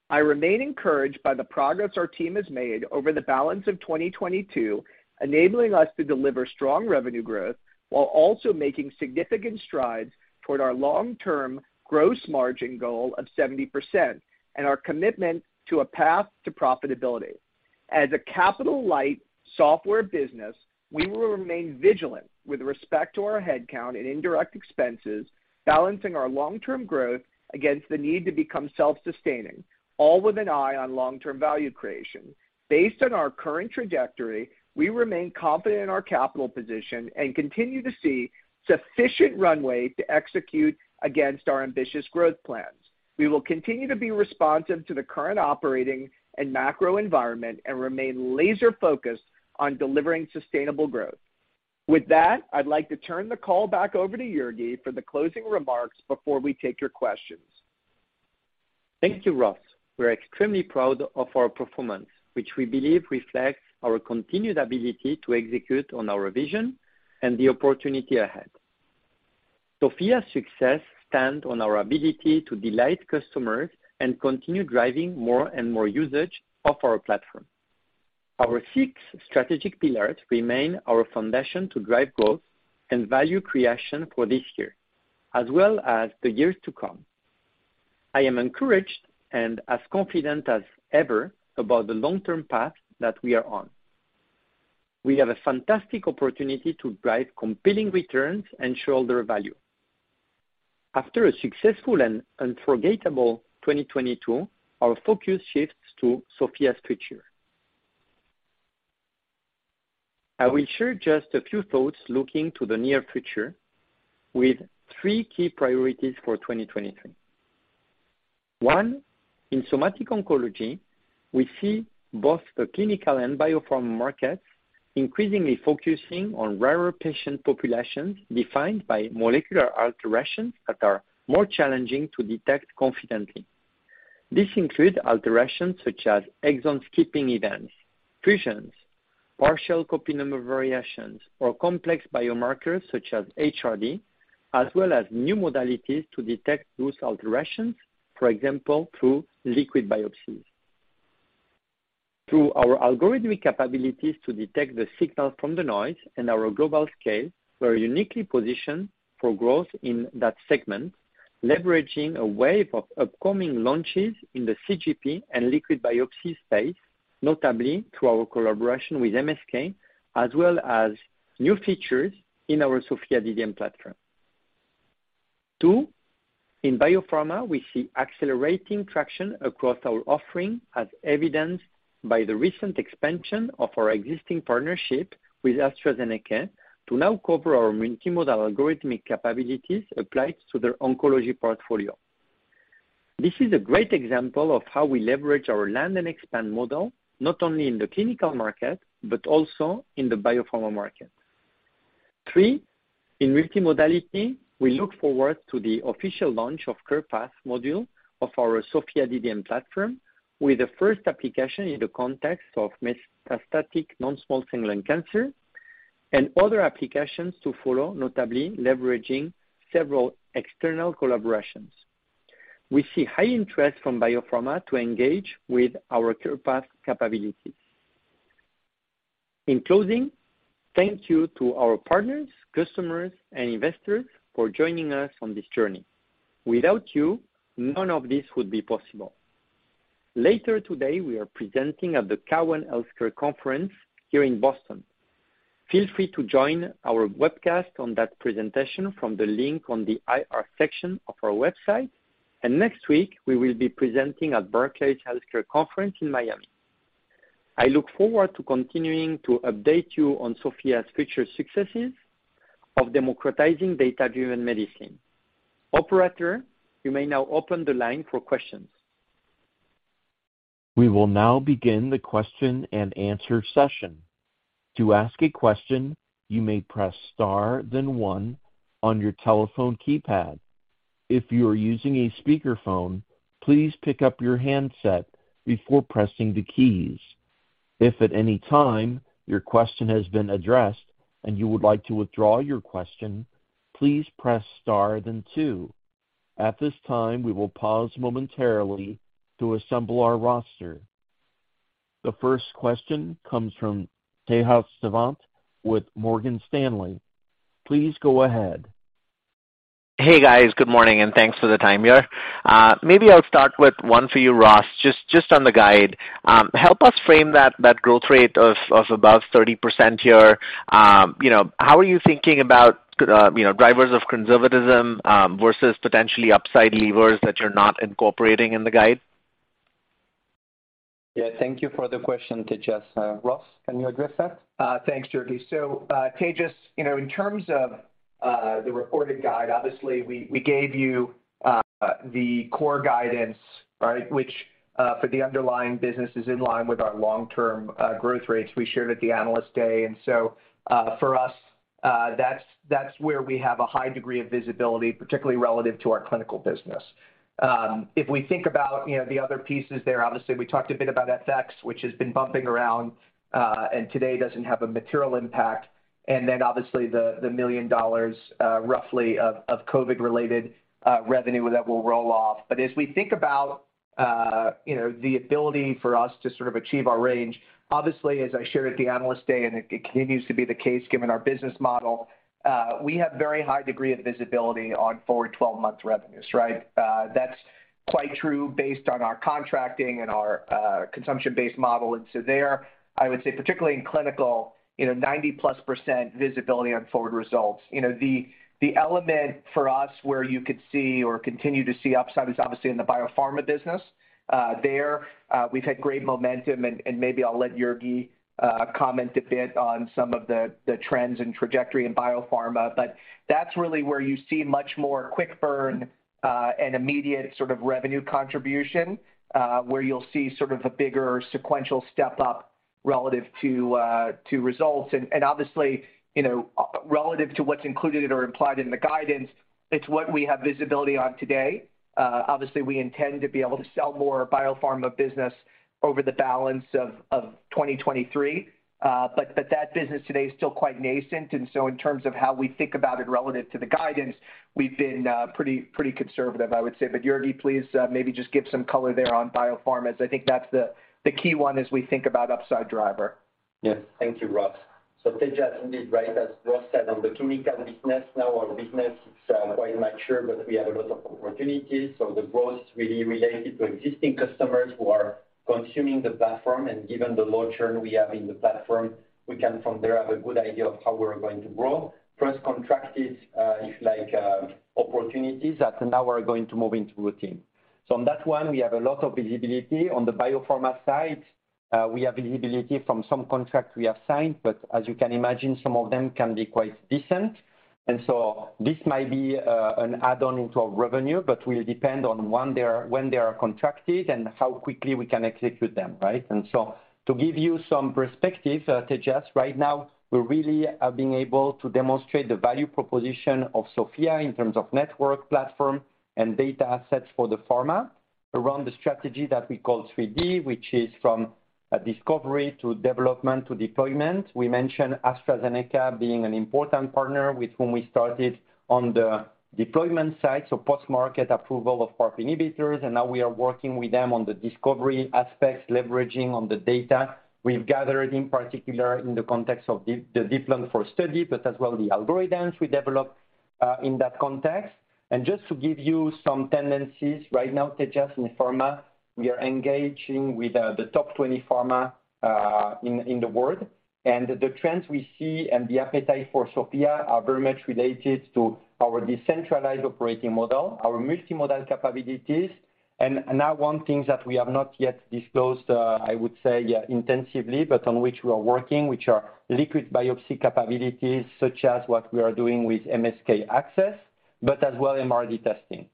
I remain encouraged by the progress our team has made over the balance of 2022, enabling us to deliver strong revenue growth while also making significant strides toward our long-term gross margin goal of 70% and our commitment to a path to profitability. As a capital light software business, we will remain vigilant with respect to our headcount and indirect expenses, balancing our long-term growth against the need to become self-sustaining, all with an eye on long-term value creation. Based on our current trajectory, we remain confident in our capital position and continue to see sufficient runway to execute against our ambitious growth plans. We will continue to be responsive to the current operating and macro environment and remain laser-focused on delivering sustainable growth. With that, I'd like to turn the call back over to Jurgi for the closing remarks before we take your questions. Thank you, Ross. We're extremely proud of our performance, which we believe reflects our continued ability to execute on our vision and the opportunity ahead. SOPHiA's success stand on our ability to delight customers and continue driving more and more usage of our platform. Our six strategic pillars remain our foundation to drive growth and value creation for this year as well as the years to come. I am encouraged and as confident as ever about the long-term path that we are on. We have a fantastic opportunity to drive compelling returns and shareholder value. After a successful and unforgettable 2022, our focus shifts to SOPHiA's future. I will share just a few thoughts looking to the near future with three key priorities for 2023. One, in somatic oncology, we see both the clinical and biopharma markets increasingly focusing on rarer patient populations defined by molecular alterations that are more challenging to detect confidently. This includes alterations such as exon skipping events, fusions, partial copy number variations, or complex biomarkers such as HRD, as well as new modalities to detect those alterations, for example, through liquid biopsies. Through our algorithmic capabilities to detect the signal from the noise and our global scale, we're uniquely positioned for growth in that segment, leveraging a wave of upcoming launches in the CGP and liquid biopsy space, notably through our collaboration with MSK, as well as new features in our SOPHiA DDM platform. Two, in biopharma, we see accelerating traction across our offering, as evidenced by the recent expansion of our existing partnership with AstraZeneca to now cover our multimodal algorithmic capabilities applied to their oncology portfolio. This is a great example of how we leverage our land and expand model, not only in the clinical market, but also in the biopharma market. Three, in multimodality, we look forward to the official launch of CarePath module of our SOPHiA DDM platform, with the first application in the context of metastatic non-small cell lung cancer and other applications to follow, notably leveraging several external collaborations. We see high interest from biopharma to engage with our CarePath capabilities. In closing, thank you to our partners, customers and investors for joining us on this journey. Without you, none of this would be possible. Later today, we are presenting at the TD Cowen Healthcare Conference here in Boston. Feel free to join our webcast on that presentation from the link on the IR section of our website. Next week, we will be presenting at Barclays Global Healthcare Conference in Miami. I look forward to continuing to update you on SOPHiA's future successes of democratizing data-driven medicine. Operator, you may now open the line for questions. We will now begin the question and answer session. To ask a question, you may press star then one on your telephone keypad. If you are using a speakerphone, please pick up your handset before pressing the keys. If at any time your question has been addressed and you would like to withdraw your question, please press star then two. At this time, we will pause momentarily to assemble our roster. The first question comes from Tejas Savant with Morgan Stanley. Please go ahead. Hey, guys. Good morning. Thanks for the time here. Maybe I'll start with one for you, Ross, just on the guide. Help us frame that growth rate of above 30% here. You know, how are you thinking about, you know, drivers of conservatism versus potentially upside levers that you're not incorporating in the guide? Yeah. Thank you for the question, Tejas. Ross, can you address that? Thanks, Jurgi. Tejas, you know, in terms of the reported guide, obviously we gave you, the core guidance, right? Which for the underlying business is in line with our long-term, growth rates we shared at the Analyst Day. For us, that's where we have a high degree of visibility, particularly relative to our clinical business. If we think about, you know, the other pieces there, obviously we talked a bit about FX, which has been bumping around, and today doesn't have a material impact. Obviously the $1 million, roughly of COVID-related revenue that will roll off. As we think about, you know, the ability for us to sort of achieve our range, obviously, as I shared at the Analyst Day, and it continues to be the case given our business model, we have very high degree of visibility on forward 12 months revenues, right? That's quite true based on our contracting and our consumption-based model. There, I would say particularly in clinical, you know, 90%+ visibility on forward results. You know, the element for us where you could see or continue to see upside is obviously in the biopharma business. There, we've had great momentum and maybe I'll let Jurgi comment a bit on some of the trends and trajectory in biopharma. That's really where you see much more quick burn and immediate sort of revenue contribution, where you'll see sort of a bigger sequential step up relative to results. Obviously, you know, relative to what's included or implied in the guidance, it's what we have visibility on today. Obviously we intend to be able to sell more biopharma business over the balance of 2023. That business today is still quite nascent. In terms of how we think about it relative to the guidance, we've been pretty conservative, I would say. Jordi, please, maybe just give some color there on biopharma. I think that's the key one as we think about upside driver. Yes. Thank you, Ross. Tejas, indeed, right, as Ross said, on the clinical business now our business is quite mature, but we have a lot of opportunities. The growth is really related to existing customers who are consuming the platform. Given the low churn we have in the platform, we can from there have a good idea of how we're going to grow. Press contracted, if like opportunities that now are going to move into routine. On that one we have a lot of visibility. On the biopharma side, we have visibility from some contracts we have signed, but as you can imagine, some of them can be quite decent. This might be an add-on into our revenue, but will depend on when they are contracted and how quickly we can execute them, right? To give you some perspective, Tejas, right now we really are being able to demonstrate the value proposition of SOPHiA in terms of network, platform, and data assets for the pharma around the strategy that we call 3D, which is from discovery to development to deployment. We mentioned AstraZeneca being an important partner with whom we started on the deployment side, so post-market approval of PARP inhibitors, and now we are working with them on the discovery aspects, leveraging on the data we've gathered, in particular in the context of the DEEP-Lung-IV study, but as well the algorithms we developed in that context. Just to give you some tendencies, right now, Tejas, in pharma, we are engaging with the Top 20 pharma in the world. The trends we see and the appetite for SOPHiA are very much related to our decentralized operating model, our multimodal capabilities, and now one thing that we have not yet disclosed, I would say, yeah, intensively, but on which we are working, which are liquid biopsy capabilities, such as what we are doing with MSK-ACCESS, but as well MRD testing.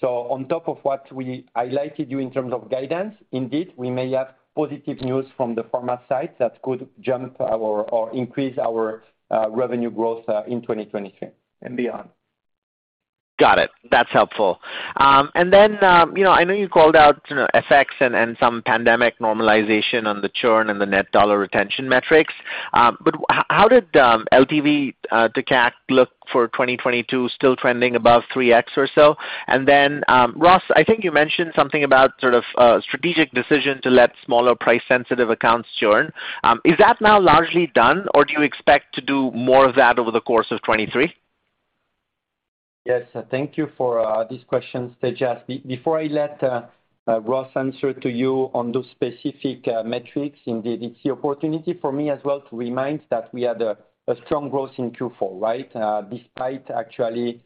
On top of what we highlighted you in terms of guidance, indeed, we may have positive news from the pharma side that could jump our or increase our revenue growth in 2023 and beyond. Got it. That's helpful. Then, you know, I know you called out, you know, FX and some pandemic normalization on the churn and the net dollar retention metrics. How did LTV to CAC look for 2022, still trending above 3x or so? Then, Ross, I think you mentioned something about sort of strategic decision to let smaller price-sensitive accounts churn. Is that now largely done, or do you expect to do more of that over the course of 2023? Yes. Thank you for these questions, Tejas. Before I let Ross answer to you on those specific metrics, indeed, it's the opportunity for me as well to remind that we had a strong growth in Q4, right? Despite actually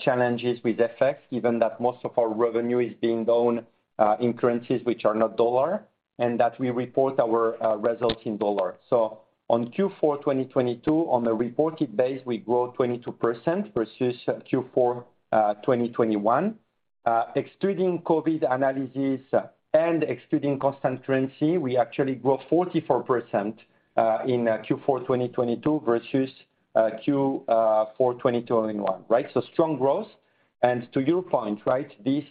challenges with FX, given that most of our revenue is being done in currencies which are not U.S. dollar, and that we report our results in U.S. dollar. On Q4 2022, on a reported base, we grew 22% versus Q4 2021. Extruding COVID analysis and extruding constant currency, we actually grew 44% in Q4 2022 versus Q4 2021, right? Strong growth. To your point, right, these,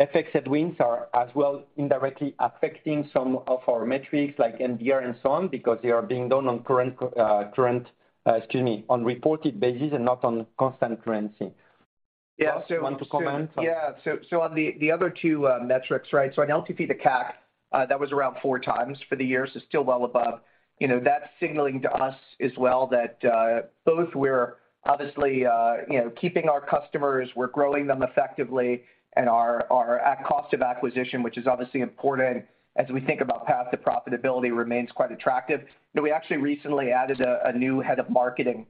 FX headwinds are as well indirectly affecting some of our metrics like NBR and so on, because they are being done on current, excuse me, on reported basis and not on constant currency. Ross, you want to comment on. Yeah, on the other two metrics, right? On LTV to CAC, that was around 4x for the year, so still well above. You know, that's signaling to us as well that both we're obviously, you know, keeping our customers, we're growing them effectively, and our cost of acquisition, which is obviously important as we think about path to profitability, remains quite attractive. You know, we actually recently added a new head of marketing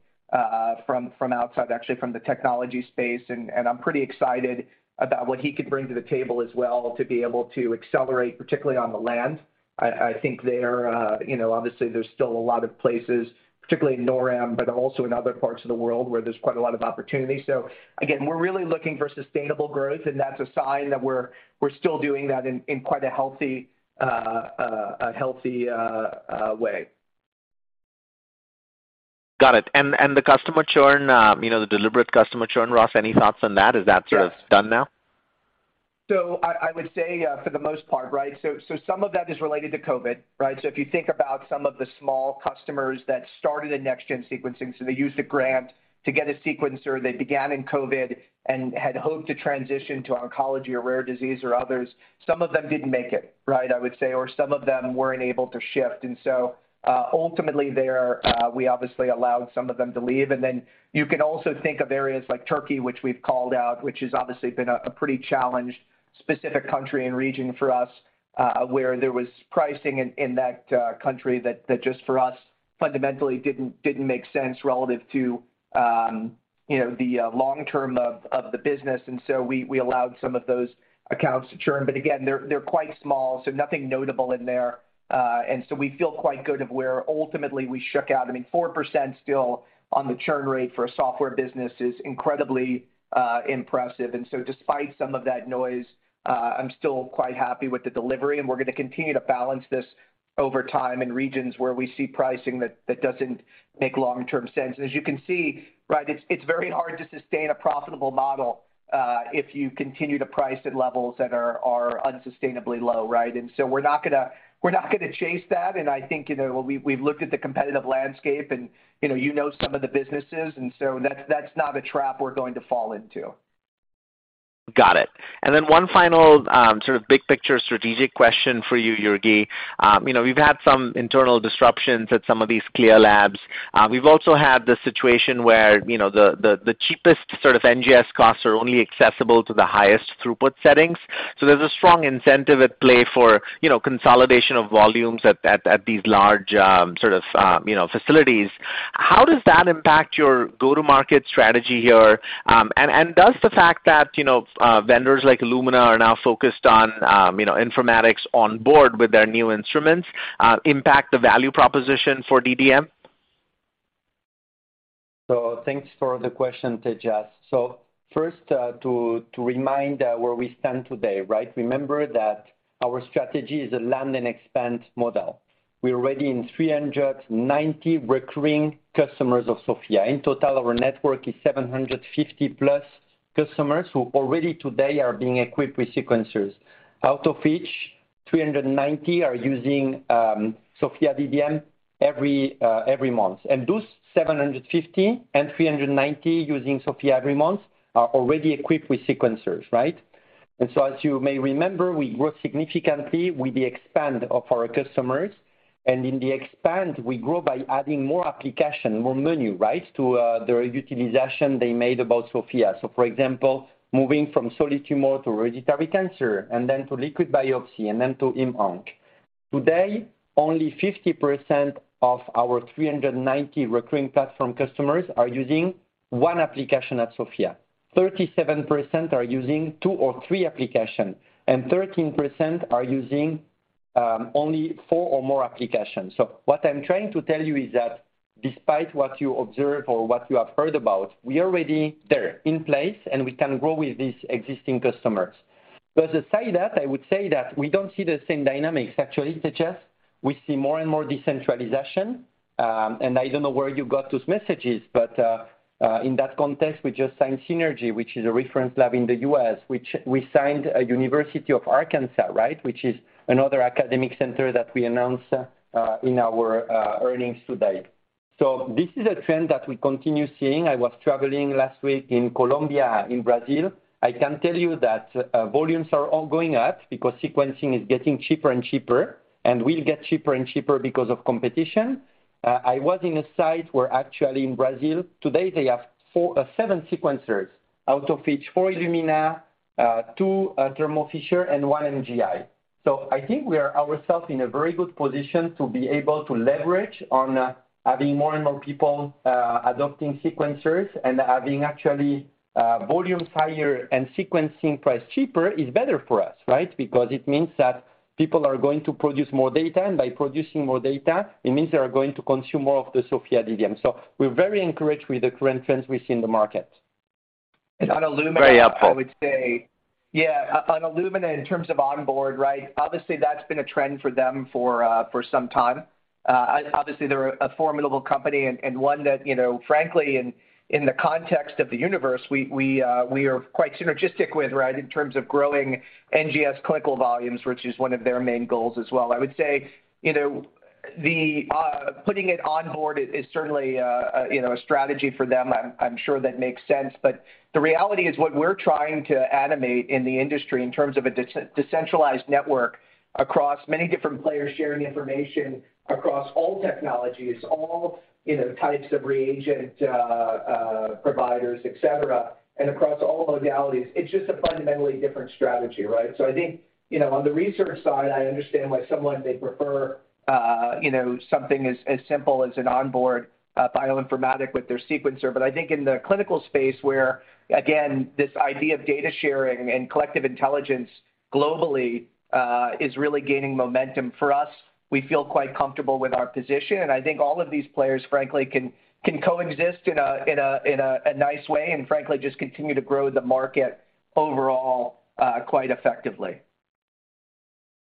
from outside, actually from the technology space, and I'm pretty excited about what he could bring to the table as well to be able to accelerate, particularly on the land. I think there, you know, obviously there's still a lot of places, particularly in NorAm, but also in other parts of the world where there's quite a lot of opportunity. Again, we're really looking for sustainable growth, and that's a sign that we're still doing that in quite a healthy way. Got it. The customer churn, you know, the deliberate customer churn, Ross, any thoughts on that? Is that sort of done now? I would say, for the most part, right? Some of that is related to COVID, right? If you think about some of the small customers that started in next-gen sequencing, so they used a grant to get a sequencer, they began in COVID and had hoped to transition to oncology or rare disease or others. Some of them didn't make it, right, I would say, or some of them weren't able to shift. Ultimately there, we obviously allowed some of them to leave. You can also think of areas like Turkey, which we've called out, which has obviously been a pretty challenged specific country and region for us, where there was pricing in that country that just for us fundamentally didn't make sense relative to, you know, the long term of the business. We allowed some of those accounts to churn. Again, they're quite small, so nothing notable in there. We feel quite good of where ultimately we shook out. I mean, 4% still on the churn rate for a software business is incredibly impressive. Despite some of that noise, I'm still quite happy with the delivery, and we're gonna continue to balance this over time in regions where we see pricing that doesn't make long-term sense. As you can see, right, it's very hard to sustain a profitable model, if you continue to price at levels that are unsustainably low, right? We're not going to chase that. I think, you know, we've looked at the competitive landscape and, you know, some of the businesses, and so that's not a trap we're going to fall into. Got it. One final, sort of big picture strategic question for you, Jurgi. You know, we've had some internal disruptions at some of these CLIA labs. We've also had the situation where, you know, the cheapest sort of NGS costs are only accessible to the highest throughput settings. There's a strong incentive at play for, you know, consolidation of volumes at these large, sort of, you know, facilities. How does that impact your go-to-market strategy here? Does the fact that, you know, vendors like Illumina are now focused on, you know, informatics on board with their new instruments, impact the value proposition for DDM? Thanks for the question, Tejas. First, to remind where we stand today, right? Remember that our strategy is a land and expand model. We're already in 390 recurring customers of SOPHiA. In total, our network is 750+ customers who already today are being equipped with sequencers. Out of which, 390 are using SOPHiA DDM every month. Those 750 and 390 using SOPHiA every month are already equipped with sequencers, right? As you may remember, we grew significantly with the expand of our customers. In the expand, we grow by adding more application, more menu, right, to the utilization they made about SOPHiA. For example, moving from solid tumor to hereditary cancer and then to liquid biopsy, and then to Hem/Onc. Today, only 50% of our 390 recurring platform customers are using ine application at SOPHiA. 37% are using two or three application, and 13% are using only four or more applications. What I'm trying to tell you is that despite what you observe or what you have heard about, we are already there in place, and we can grow with these existing customers. To say that, I would say that we don't see the same dynamics. Actually, Tejas, we see more and more decentralization, and I don't know where you got those messages, but in that context, we just signed Synergy, which is a reference lab in the U.S., which we signed a University of Arkansas, right, which is another academic center that we announced in our earnings today. This is a trend that we continue seeing. I was traveling last week in Colombia, in Brazil. I can tell you that volumes are all going up because sequencing is getting cheaper and cheaper, and will get cheaper and cheaper because of competition. I was in a site where actually in Brazil today, they have seven sequencers, out of which four-Illumina, two-Thermo Fisher, and one-MGI. I think we are ourself in a very good position to be able to leverage on having more and more people adopting sequencers and having actually volumes higher and sequencing price cheaper is better for us, right? Because it means that people are going to produce more data, and by producing more data, it means they are going to consume more of the SOPHiA DDM. We're very encouraged with the current trends we see in the market. On Illumina? Very helpful. I would say, yeah, on Illumina in terms of onboard, right? Obviously, that's been a trend for them for some time. Obviously, they're a formidable company and one that, you know, frankly, in the context of the universe, we are quite synergistic with, right, in terms of growing NGS clinical volumes, which is one of their main goals as well. I would say, you know, the putting it onboard is certainly, you know, a strategy for them. I'm sure that makes sense. The reality is what we're trying to animate in the industry in terms of a decentralized network across many different players sharing information across all technologies, all, you know, types of reagent providers, et cetera, and across all modalities, it's just a fundamentally different strategy, right? I think, you know, on the research side, I understand why someone may prefer, you know, something as simple as an onboard bioinformatics with their sequencer. I think in the clinical space where, again, this idea of data sharing and collective intelligence globally is really gaining momentum. For us, we feel quite comfortable with our position, and I think all of these players, frankly, can coexist in a nice way, and frankly, just continue to grow the market overall, quite effectively.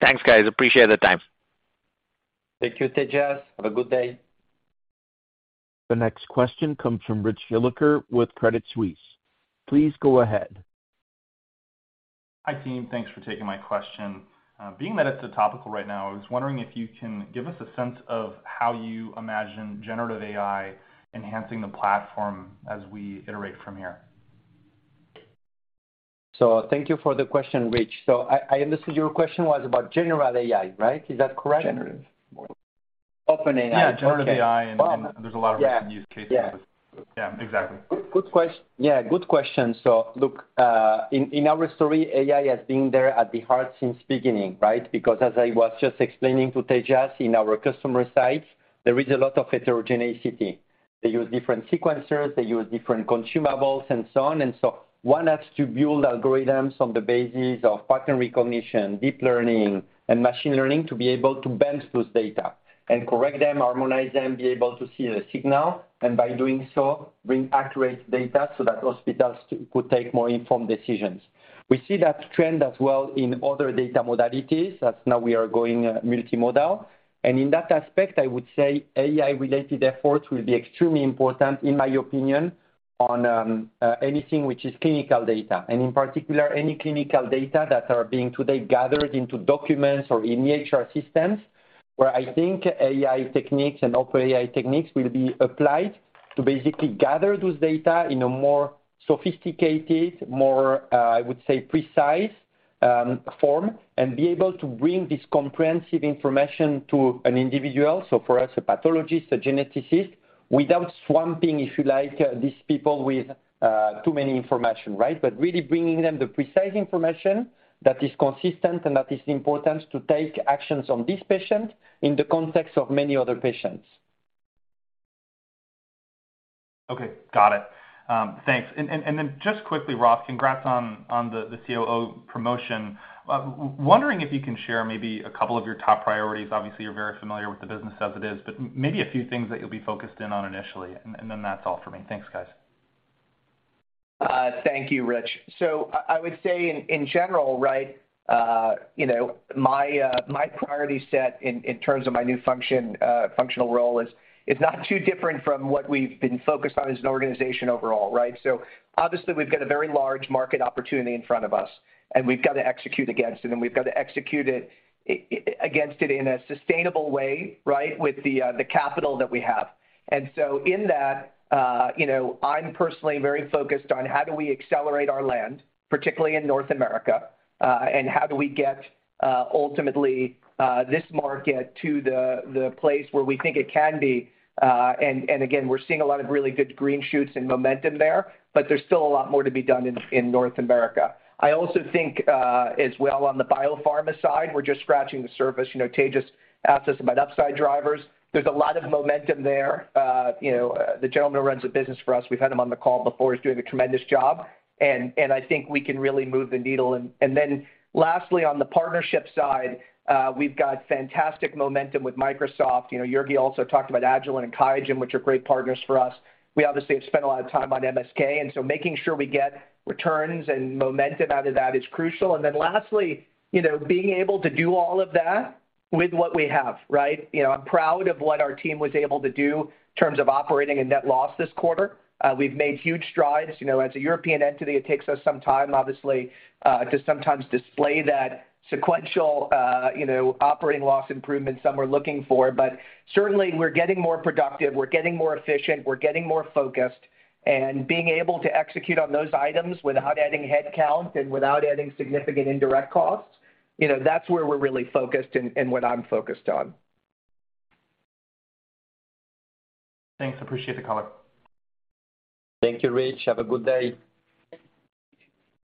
Thanks, guys. Appreciate the time. Thank you, Tejas. Have a good day. The next question comes from Richard Hilliker with Credit Suisse. Please go ahead. Hi, team. Thanks for taking my question. Being that it's a topical right now, I was wondering if you can give us a sense of how you imagine generative AI enhancing the platform as we iterate from here. Thank you for the question, Rich. I understood your question was about general AI, right? Is that correct? Generative. OpenAI. Yeah, generative AI and there's a lot of different use cases. Yeah. Yeah, exactly. Good, good question. Look, in our story, AI has been there at the heart since beginning, right? As I was just explaining to Tejas, in our customer site, there is a lot of heterogeneity. They use different sequencers, they use different consumables and so on, and so one has to build algorithms on the basis of pattern recognition, deep learning and machine learning to be able to bend those data and correct them, harmonize them, be able to see the signal, and by doing so, bring accurate data so that hospitals could take more informed decisions. We see that trend as well in other data modalities, as now we are going multimodal. In that aspect, I would say AI-related efforts will be extremely important, in my opinion, on anything which is clinical data, and in particular, any clinical data that are being today gathered into documents or in EHR systems, where I think AI techniques and OpenAI techniques will be applied to basically gather those data in a more sophisticated, more, I would say, precise form, and be able to bring this comprehensive information to an individual, so for us, a pathologist, a geneticist, without swamping, if you like, these people with too many information, right? Really bringing them the precise information that is consistent and that is important to take actions on this patient in the context of many other patients. Okay, got it. Thanks. Just quickly, Ross, congrats on the COO promotion. Wondering if you can share maybe a couple of your top priorities? Obviously, you're very familiar with the business as it is, but maybe a few things that you'll be focused in on initially, and then that's all for me. Thanks, guys. Thank you, Rich. I would say in general, right, you know, my priority set in terms of my new functional role is not too different from what we've been focused on as an organization overall, right? Obviously we've got a very large market opportunity in front of us, and we've got to execute against it, and we've got to execute it against it in a sustainable way, right, with the capital that we have. In that, you know, I'm personally very focused on how do we accelerate our land, particularly in North America, and how do we get ultimately this market to the place where we think it can be. Again, we're seeing a lot of really good green shoots and momentum there, but there's still a lot more to be done in North America. I also think as well on the biopharma side, we're just scratching the surface. You know, Tejas asked us about upside drivers. There's a lot of momentum there. You know, the gentleman who runs the business for us, we've had him on the call before, he's doing a tremendous job. I think we can really move the needle. Lastly, on the partnership side, we've got fantastic momentum with Microsoft. You know, Jurgi also talked about Agilent and QIAGEN, which are great partners for us. We obviously have spent a lot of time on MSK, and so making sure we get returns and momentum out of that is crucial. Lastly, you know, being able to do all of that with what we have, right? You know, I'm proud of what our team was able to do in terms of operating a net loss this quarter. We've made huge strides. You know, as a European entity, it takes us some time, obviously, to sometimes display that sequential, you know, operating loss improvement some are looking for. Certainly we're getting more productive, we're getting more efficient, we're getting more focused. Being able to execute on those items without adding headcount and without adding significant indirect costs, you know, that's where we're really focused and what I'm focused on. Thanks. Appreciate the color. Thank you, Rich. Have a good day.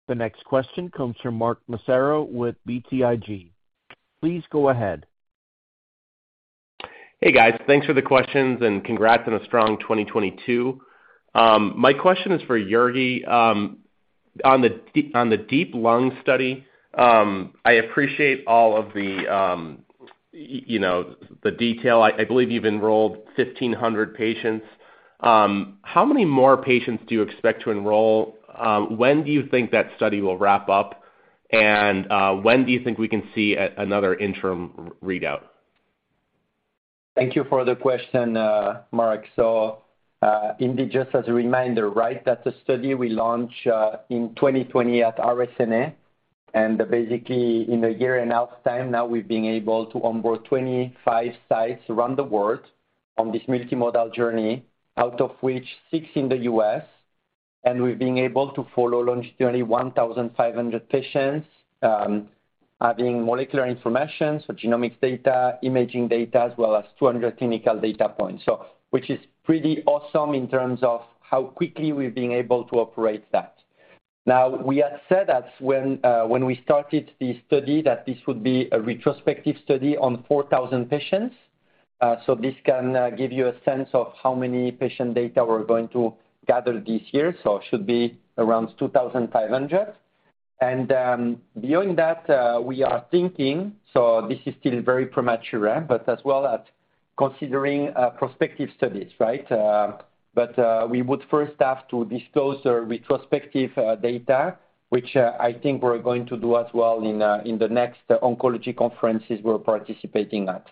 The next question comes from Mark Massaro with BTIG. Please go ahead. Hey, guys. Thanks for the questions and congrats on a strong 2022. My question is for Jurgi. On the DEEP-Lung-IV study, I appreciate all of the, you know, the detail. I believe you've enrolled 1,500 patients. How many more patients do you expect to enroll? When do you think that study will wrap up? When do you think we can see another interim readout? Thank you for the question, Mark. Indeed, just as a reminder, right, that's a study we launched in 2020 at RSNA. In a year and a half time now we've been able to onboard 25 sites around the world on this multimodal journey, out of which six in the U.S. We've been able to follow longitudinally 1,500 patients, adding molecular information, so genomics data, imaging data, as well as 200 clinical data points. Which is pretty awesome in terms of how quickly we've been able to operate that. We had said that when we started the study that this would be a retrospective study on 4,000 patients. This can give you a sense of how many patient data we're going to gather this year, so it should be around 2,500. Beyond that, we are thinking, this is still very premature, but as well as considering prospective studies, right? We would first have to disclose the retrospective data, which I think we're going to do as well in the next oncology conferences we're participating at.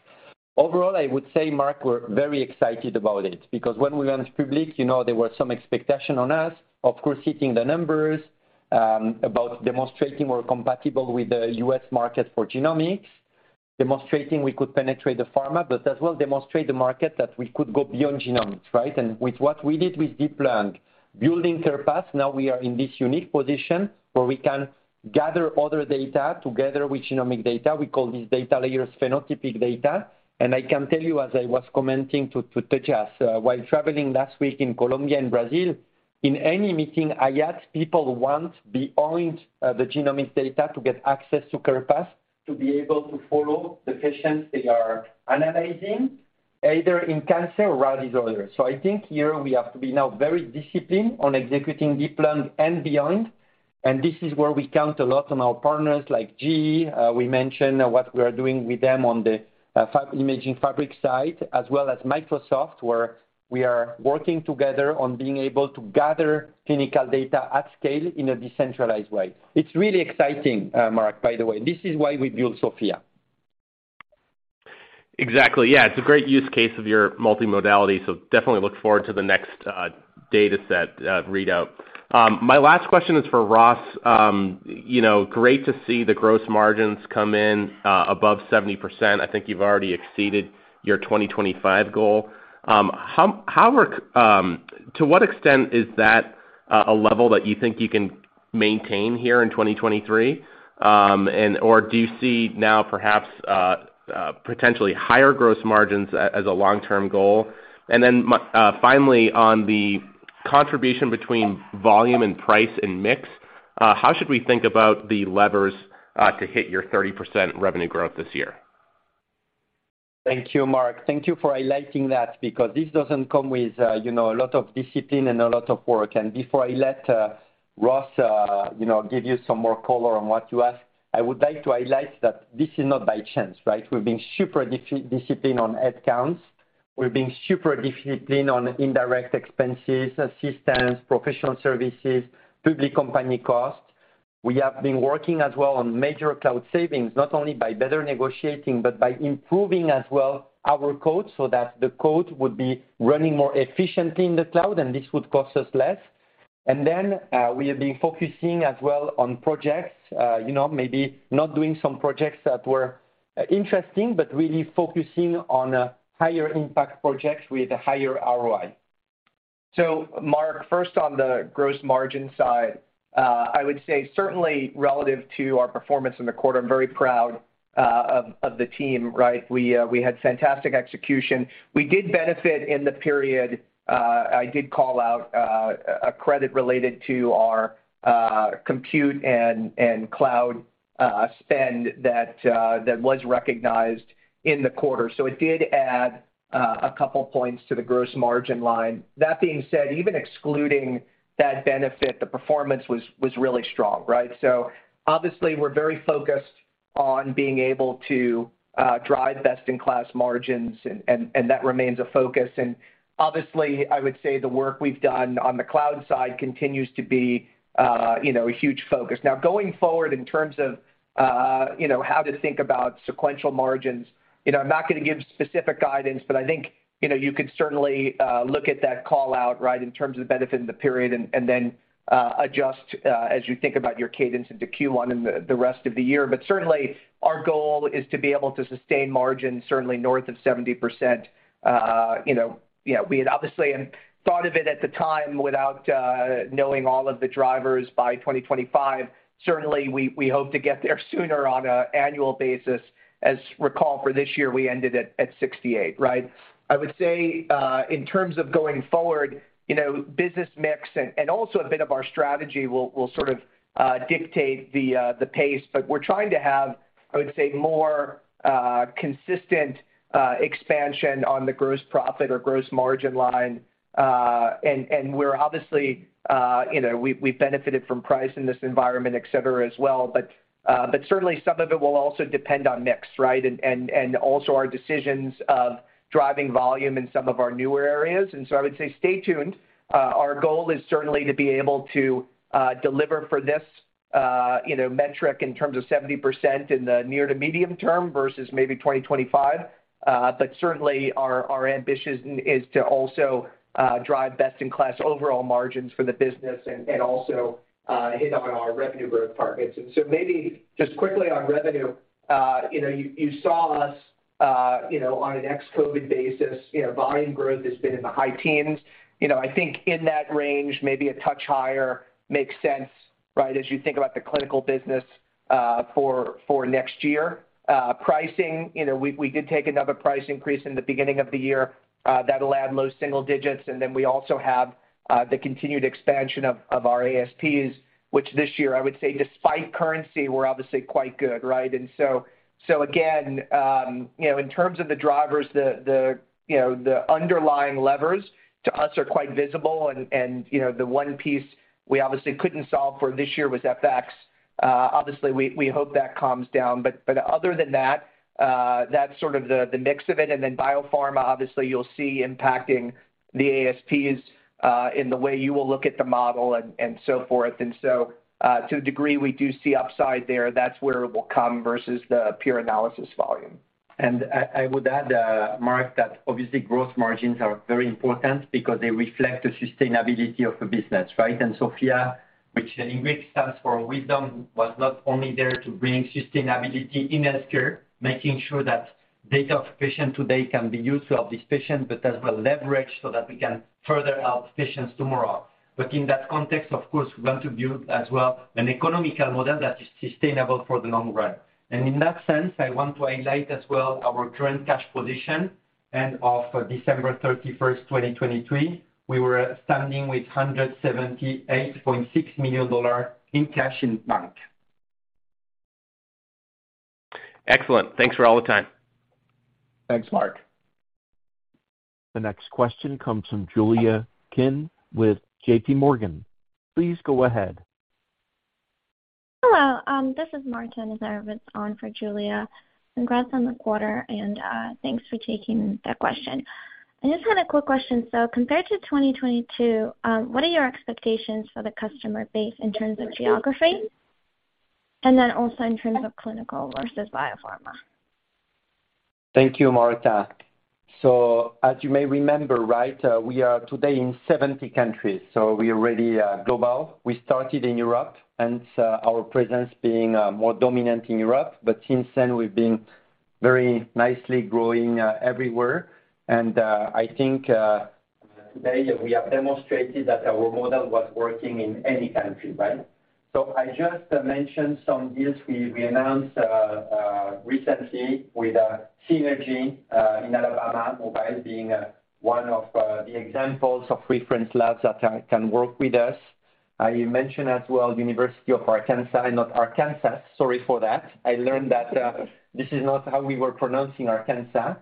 Overall, I would say, Mark, we're very excited about it because when we went public, you know, there were some expectation on us, of course, hitting the numbers, about demonstrating we're compatible with the U.S. market for genomics, demonstrating we could penetrate the pharma, but as well demonstrate the market that we could go beyond genomics, right? With what we did with DEEP-Lung-IV study, building Surpass, now we are in this unique position where we can gather other data together with genomic data. We call these data layers phenotypic data. I can tell you, as I was commenting to Tejas, while traveling last week in Colombia and Brazil, in any meeting I ask, people want beyond the genomic data to get access to Surpass, to be able to follow the patients they are analyzing, either in cancer or rare disorder. I think here we have to be now very disciplined on executing DEEP-Lung-IV study and beyond. This is where we count a lot on our partners like GE. We mentioned what we are doing with them on the Imaging Fabric side, as well as Microsoft, where we are working together on being able to gather clinical data at scale in a decentralized way. It's really exciting, Mark, by the way. This is why we built SOPHiA. Exactly, yeah. It's a great use case of your multimodality, so definitely look forward to the next dataset readout. My last question is for Ross. You know, great to see the gross margins come in above 70%. I think you've already exceeded your 2025 goal. To what extent is that a level that you think you can maintain here in 2023? And/or do you see now perhaps potentially higher gross margins as a long-term goal? Finally, on the contribution between volume and price and mix, how should we think about the levers to hit your 30% revenue growth this year? Thank you, Mark. Thank you for highlighting that because this doesn't come with, you know, a lot of discipline and a lot of work. Before I let, Ross, you know, give you some more color on what you ask, I would like to highlight that this is not by chance, right? We've been super disciplined on headcounts. We've been super disciplined on indirect expenses, assistance, professional services, public company costs. We have been working as well on major cloud savings, not only by better negotiating, but by improving as well our code so that the code would be running more efficiently in the cloud, and this would cost us less. Then, we have been focusing as well on projects, you know, maybe not doing some projects that were interesting, but really focusing on, higher impact projects with a higher ROI. Mark, first on the gross margin side, I would say certainly relative to our performance in the quarter, I'm very proud of the team, right? We had fantastic execution. We did benefit in the period. I did call out a credit related to our compute and cloud spend that was recognized in the quarter. It did add a couple points to the gross margin line. That being said, even excluding that benefit, the performance was really strong, right? Obviously we're very focused on being able to drive best in class margins and that remains a focus. Obviously I would say the work we've done on the cloud side continues to be, you know, a huge focus. Now going forward in terms of, you know, how to think about sequential margins, you know, I'm not gonna give specific guidance, but I think, you know, you could certainly look at that call out, right, in terms of the benefit in the period and then adjust as you think about your cadence into Q1 and the rest of the year. Certainly our goal is to be able to sustain margin certainly north of 70%. You know, we had obviously thought of it at the time without knowing all of the drivers by 2025. Certainly we hope to get there sooner on a annual basis. As recall for this year, we ended at 68, right? I would say, in terms of going forward, you know, business mix and also a bit of our strategy will sort of dictate the pace, but we're trying to have, I would say, more consistent expansion on the gross profit or gross margin line. We're obviously, you know, we've benefited from price in this environment, et cetera, as well. Certainly some of it will also depend on mix, right? Also our decisions of driving volume in some of our newer areas. I would say stay tuned. Our goal is certainly to be able to deliver for this, you know, metric in terms of 70% in the near to medium term versus maybe 2025. Certainly our ambition is to also drive best in class overall margins for the business and also hit on our revenue growth targets. Maybe just quickly on revenue, you know, you saw us, you know, on an ex-COVID basis, you know, volume growth has been in the high teens. You know, I think in that range, maybe a touch higher makes sense, right? As you think about the clinical business, for next year. Pricing, you know, we did take another price increase in the beginning of the year, that'll add low single digits. We also have the continued expansion of our ASPs, which this year I would say despite currency were obviously quite good, right? So again, you know, in terms of the drivers, the, you know, the underlying levers to us are quite visible and, you know, the one piece we obviously couldn't solve for this year was FX. Obviously we hope that calms down. But other than that's sort of the mix of it. Then biopharma, obviously you'll see impacting the ASPs in the way you will look at the model and so forth. So, to a degree, we do see upside there. That's where it will come versus the pure analysis volume. I would add, Mark, that obviously growth margins are very important because they reflect the sustainability of the business, right? SOPHiA, which in Greek stands for wisdom, was not only there to bring sustainability in healthcare, making sure that data of patient today can be used to help this patient, but as well leverage so that we can further help patients tomorrow. In that context, of course, we want to build as well an economical model that is sustainable for the long run. In that sense, I want to highlight as well our current cash position. Of December 31st, 2023, we were standing with $178.6 million in cash in bank. Excellent. Thanks for all the time. Thanks, Mark. The next question comes from Julia Kim with JPMorgan. Please go ahead. Hello, this is Marta Nazarovets on for Julia. Congrats on the quarter and, thanks for taking the question. I just had a quick question. Compared to 2022, what are your expectations for the customer base in terms of geography, and then also in terms of clinical versus biopharma? Thank you, Marta. As you may remember, right, we are today in 70 countries, so we are already, global. We started in Europe, hence our presence being, more dominant in Europe. Since then, we've been very nicely growing, everywhere. I think, today we have demonstrated that our model was working in any country, right? I just mentioned some deals we announced, recently with Synergy, in Alabama, Mobile being, one of the examples of reference labs that can work with us. I mentioned as well University of Arkansas, not Arkansas. Sorry for that. I learned that, this is not how we were pronouncing Arkansas.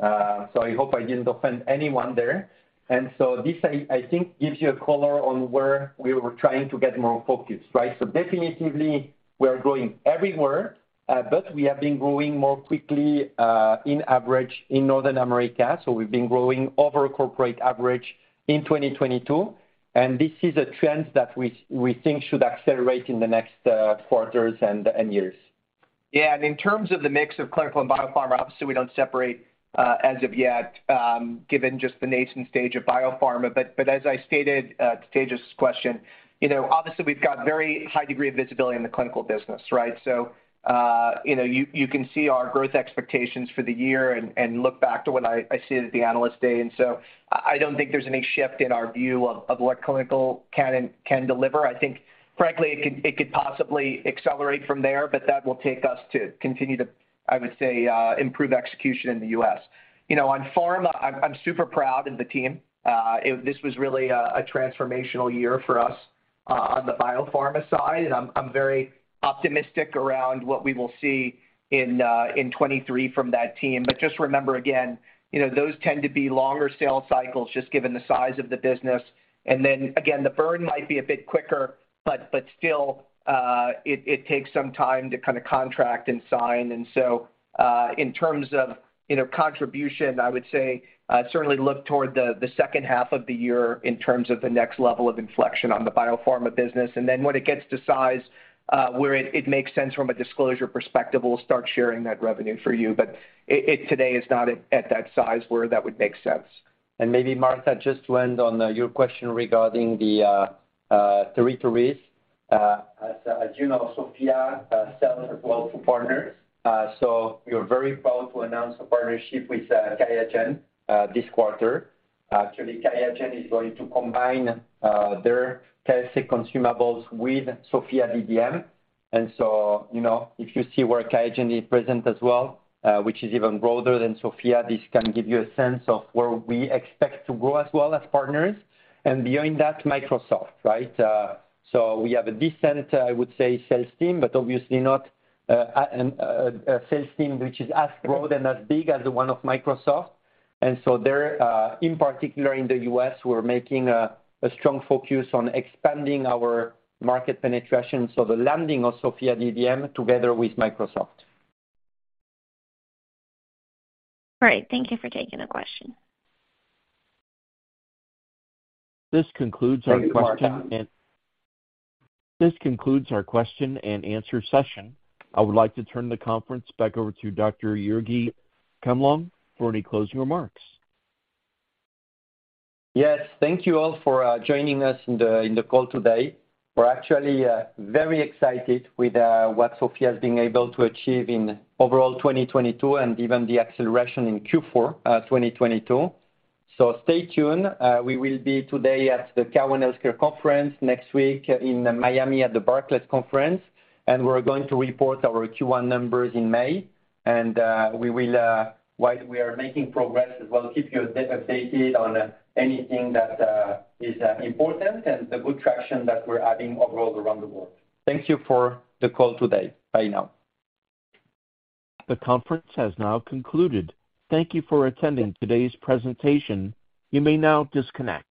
So I hope I didn't offend anyone there. This I think gives you a color on where we were trying to get more focused, right? Definitively we are growing everywhere, but we have been growing more quickly in average in North America. We've been growing over corporate average in 2022, and this is a trend that we think should accelerate in the next quarters and years. In terms of the mix of clinical and biopharma, obviously, we don't separate as of yet, given just the nascent stage of biopharma. As I stated to Tejas' question, you know, obviously, we've got very high degree of visibility in the clinical business, right? You know, you can see our growth expectations for the year and look back to what I stated at the Analyst Day. I don't think there's any shift in our view of what clinical can deliver. I think frankly, it could possibly accelerate from there, but that will take us to continue to, I would say, improve execution in the U.S. You know, on pharma, I'm super proud of the team. This was really a transformational year for us on the biopharma side, and I'm very optimistic around what we will see in 2023 from that team. Just remember, again, you know, those tend to be longer sales cycles just given the size of the business. Then, again, the burn might be a bit quicker, but still, it takes some time to kinda contract and sign. In terms of, you know, contribution, I would say, certainly look toward the second half of the year in terms of the next level of inflection on the biopharma business. Then when it gets to size, where it makes sense from a disclosure perspective, we'll start sharing that revenue for you. It today is not at that size where that would make sense. Maybe, Marta, just to end on your question regarding the territories. As you know, SOPHiA sells as well to partners. We are very proud to announce a partnership with QIAGEN this quarter. Actually, QIAGEN is going to combine their testing consumables with SOPHiA DDM. You know, if you see where QIAGEN is present as well, which is even broader than SOPHiA, this can give you a sense of where we expect to grow as well as partners. Behind that, Microsoft, right? We have a decent, I would say, sales team, but obviously not a sales team which is as broad and as big as the one of Microsoft. They're in particular in the U.S., we're making a strong focus on expanding our market penetration, so the landing of SOPHiA DDM together with Microsoft. All right. Thank you for taking the question. This concludes our question. Thank you, Marta. This concludes our question and answer session. I would like to turn the conference back over to Dr. Jurgi Camblong for any closing remarks. Yes. Thank you all for joining us in the call today. We're actually very excited with what SOPHiA's been able to achieve in overall 2022 and even the acceleration in Q4 2022. Stay tuned. We will be today at the Cowen Healthcare Conference next week in Miami at the Barclays Conference, and we're going to report our Q1 numbers in May. We will, while we are making progress as well, keep you updated on anything that is important and the good traction that we're having overall around the world. Thank you for the call today. Bye now. The conference has now concluded. Thank you for attending today's presentation. You may now disconnect.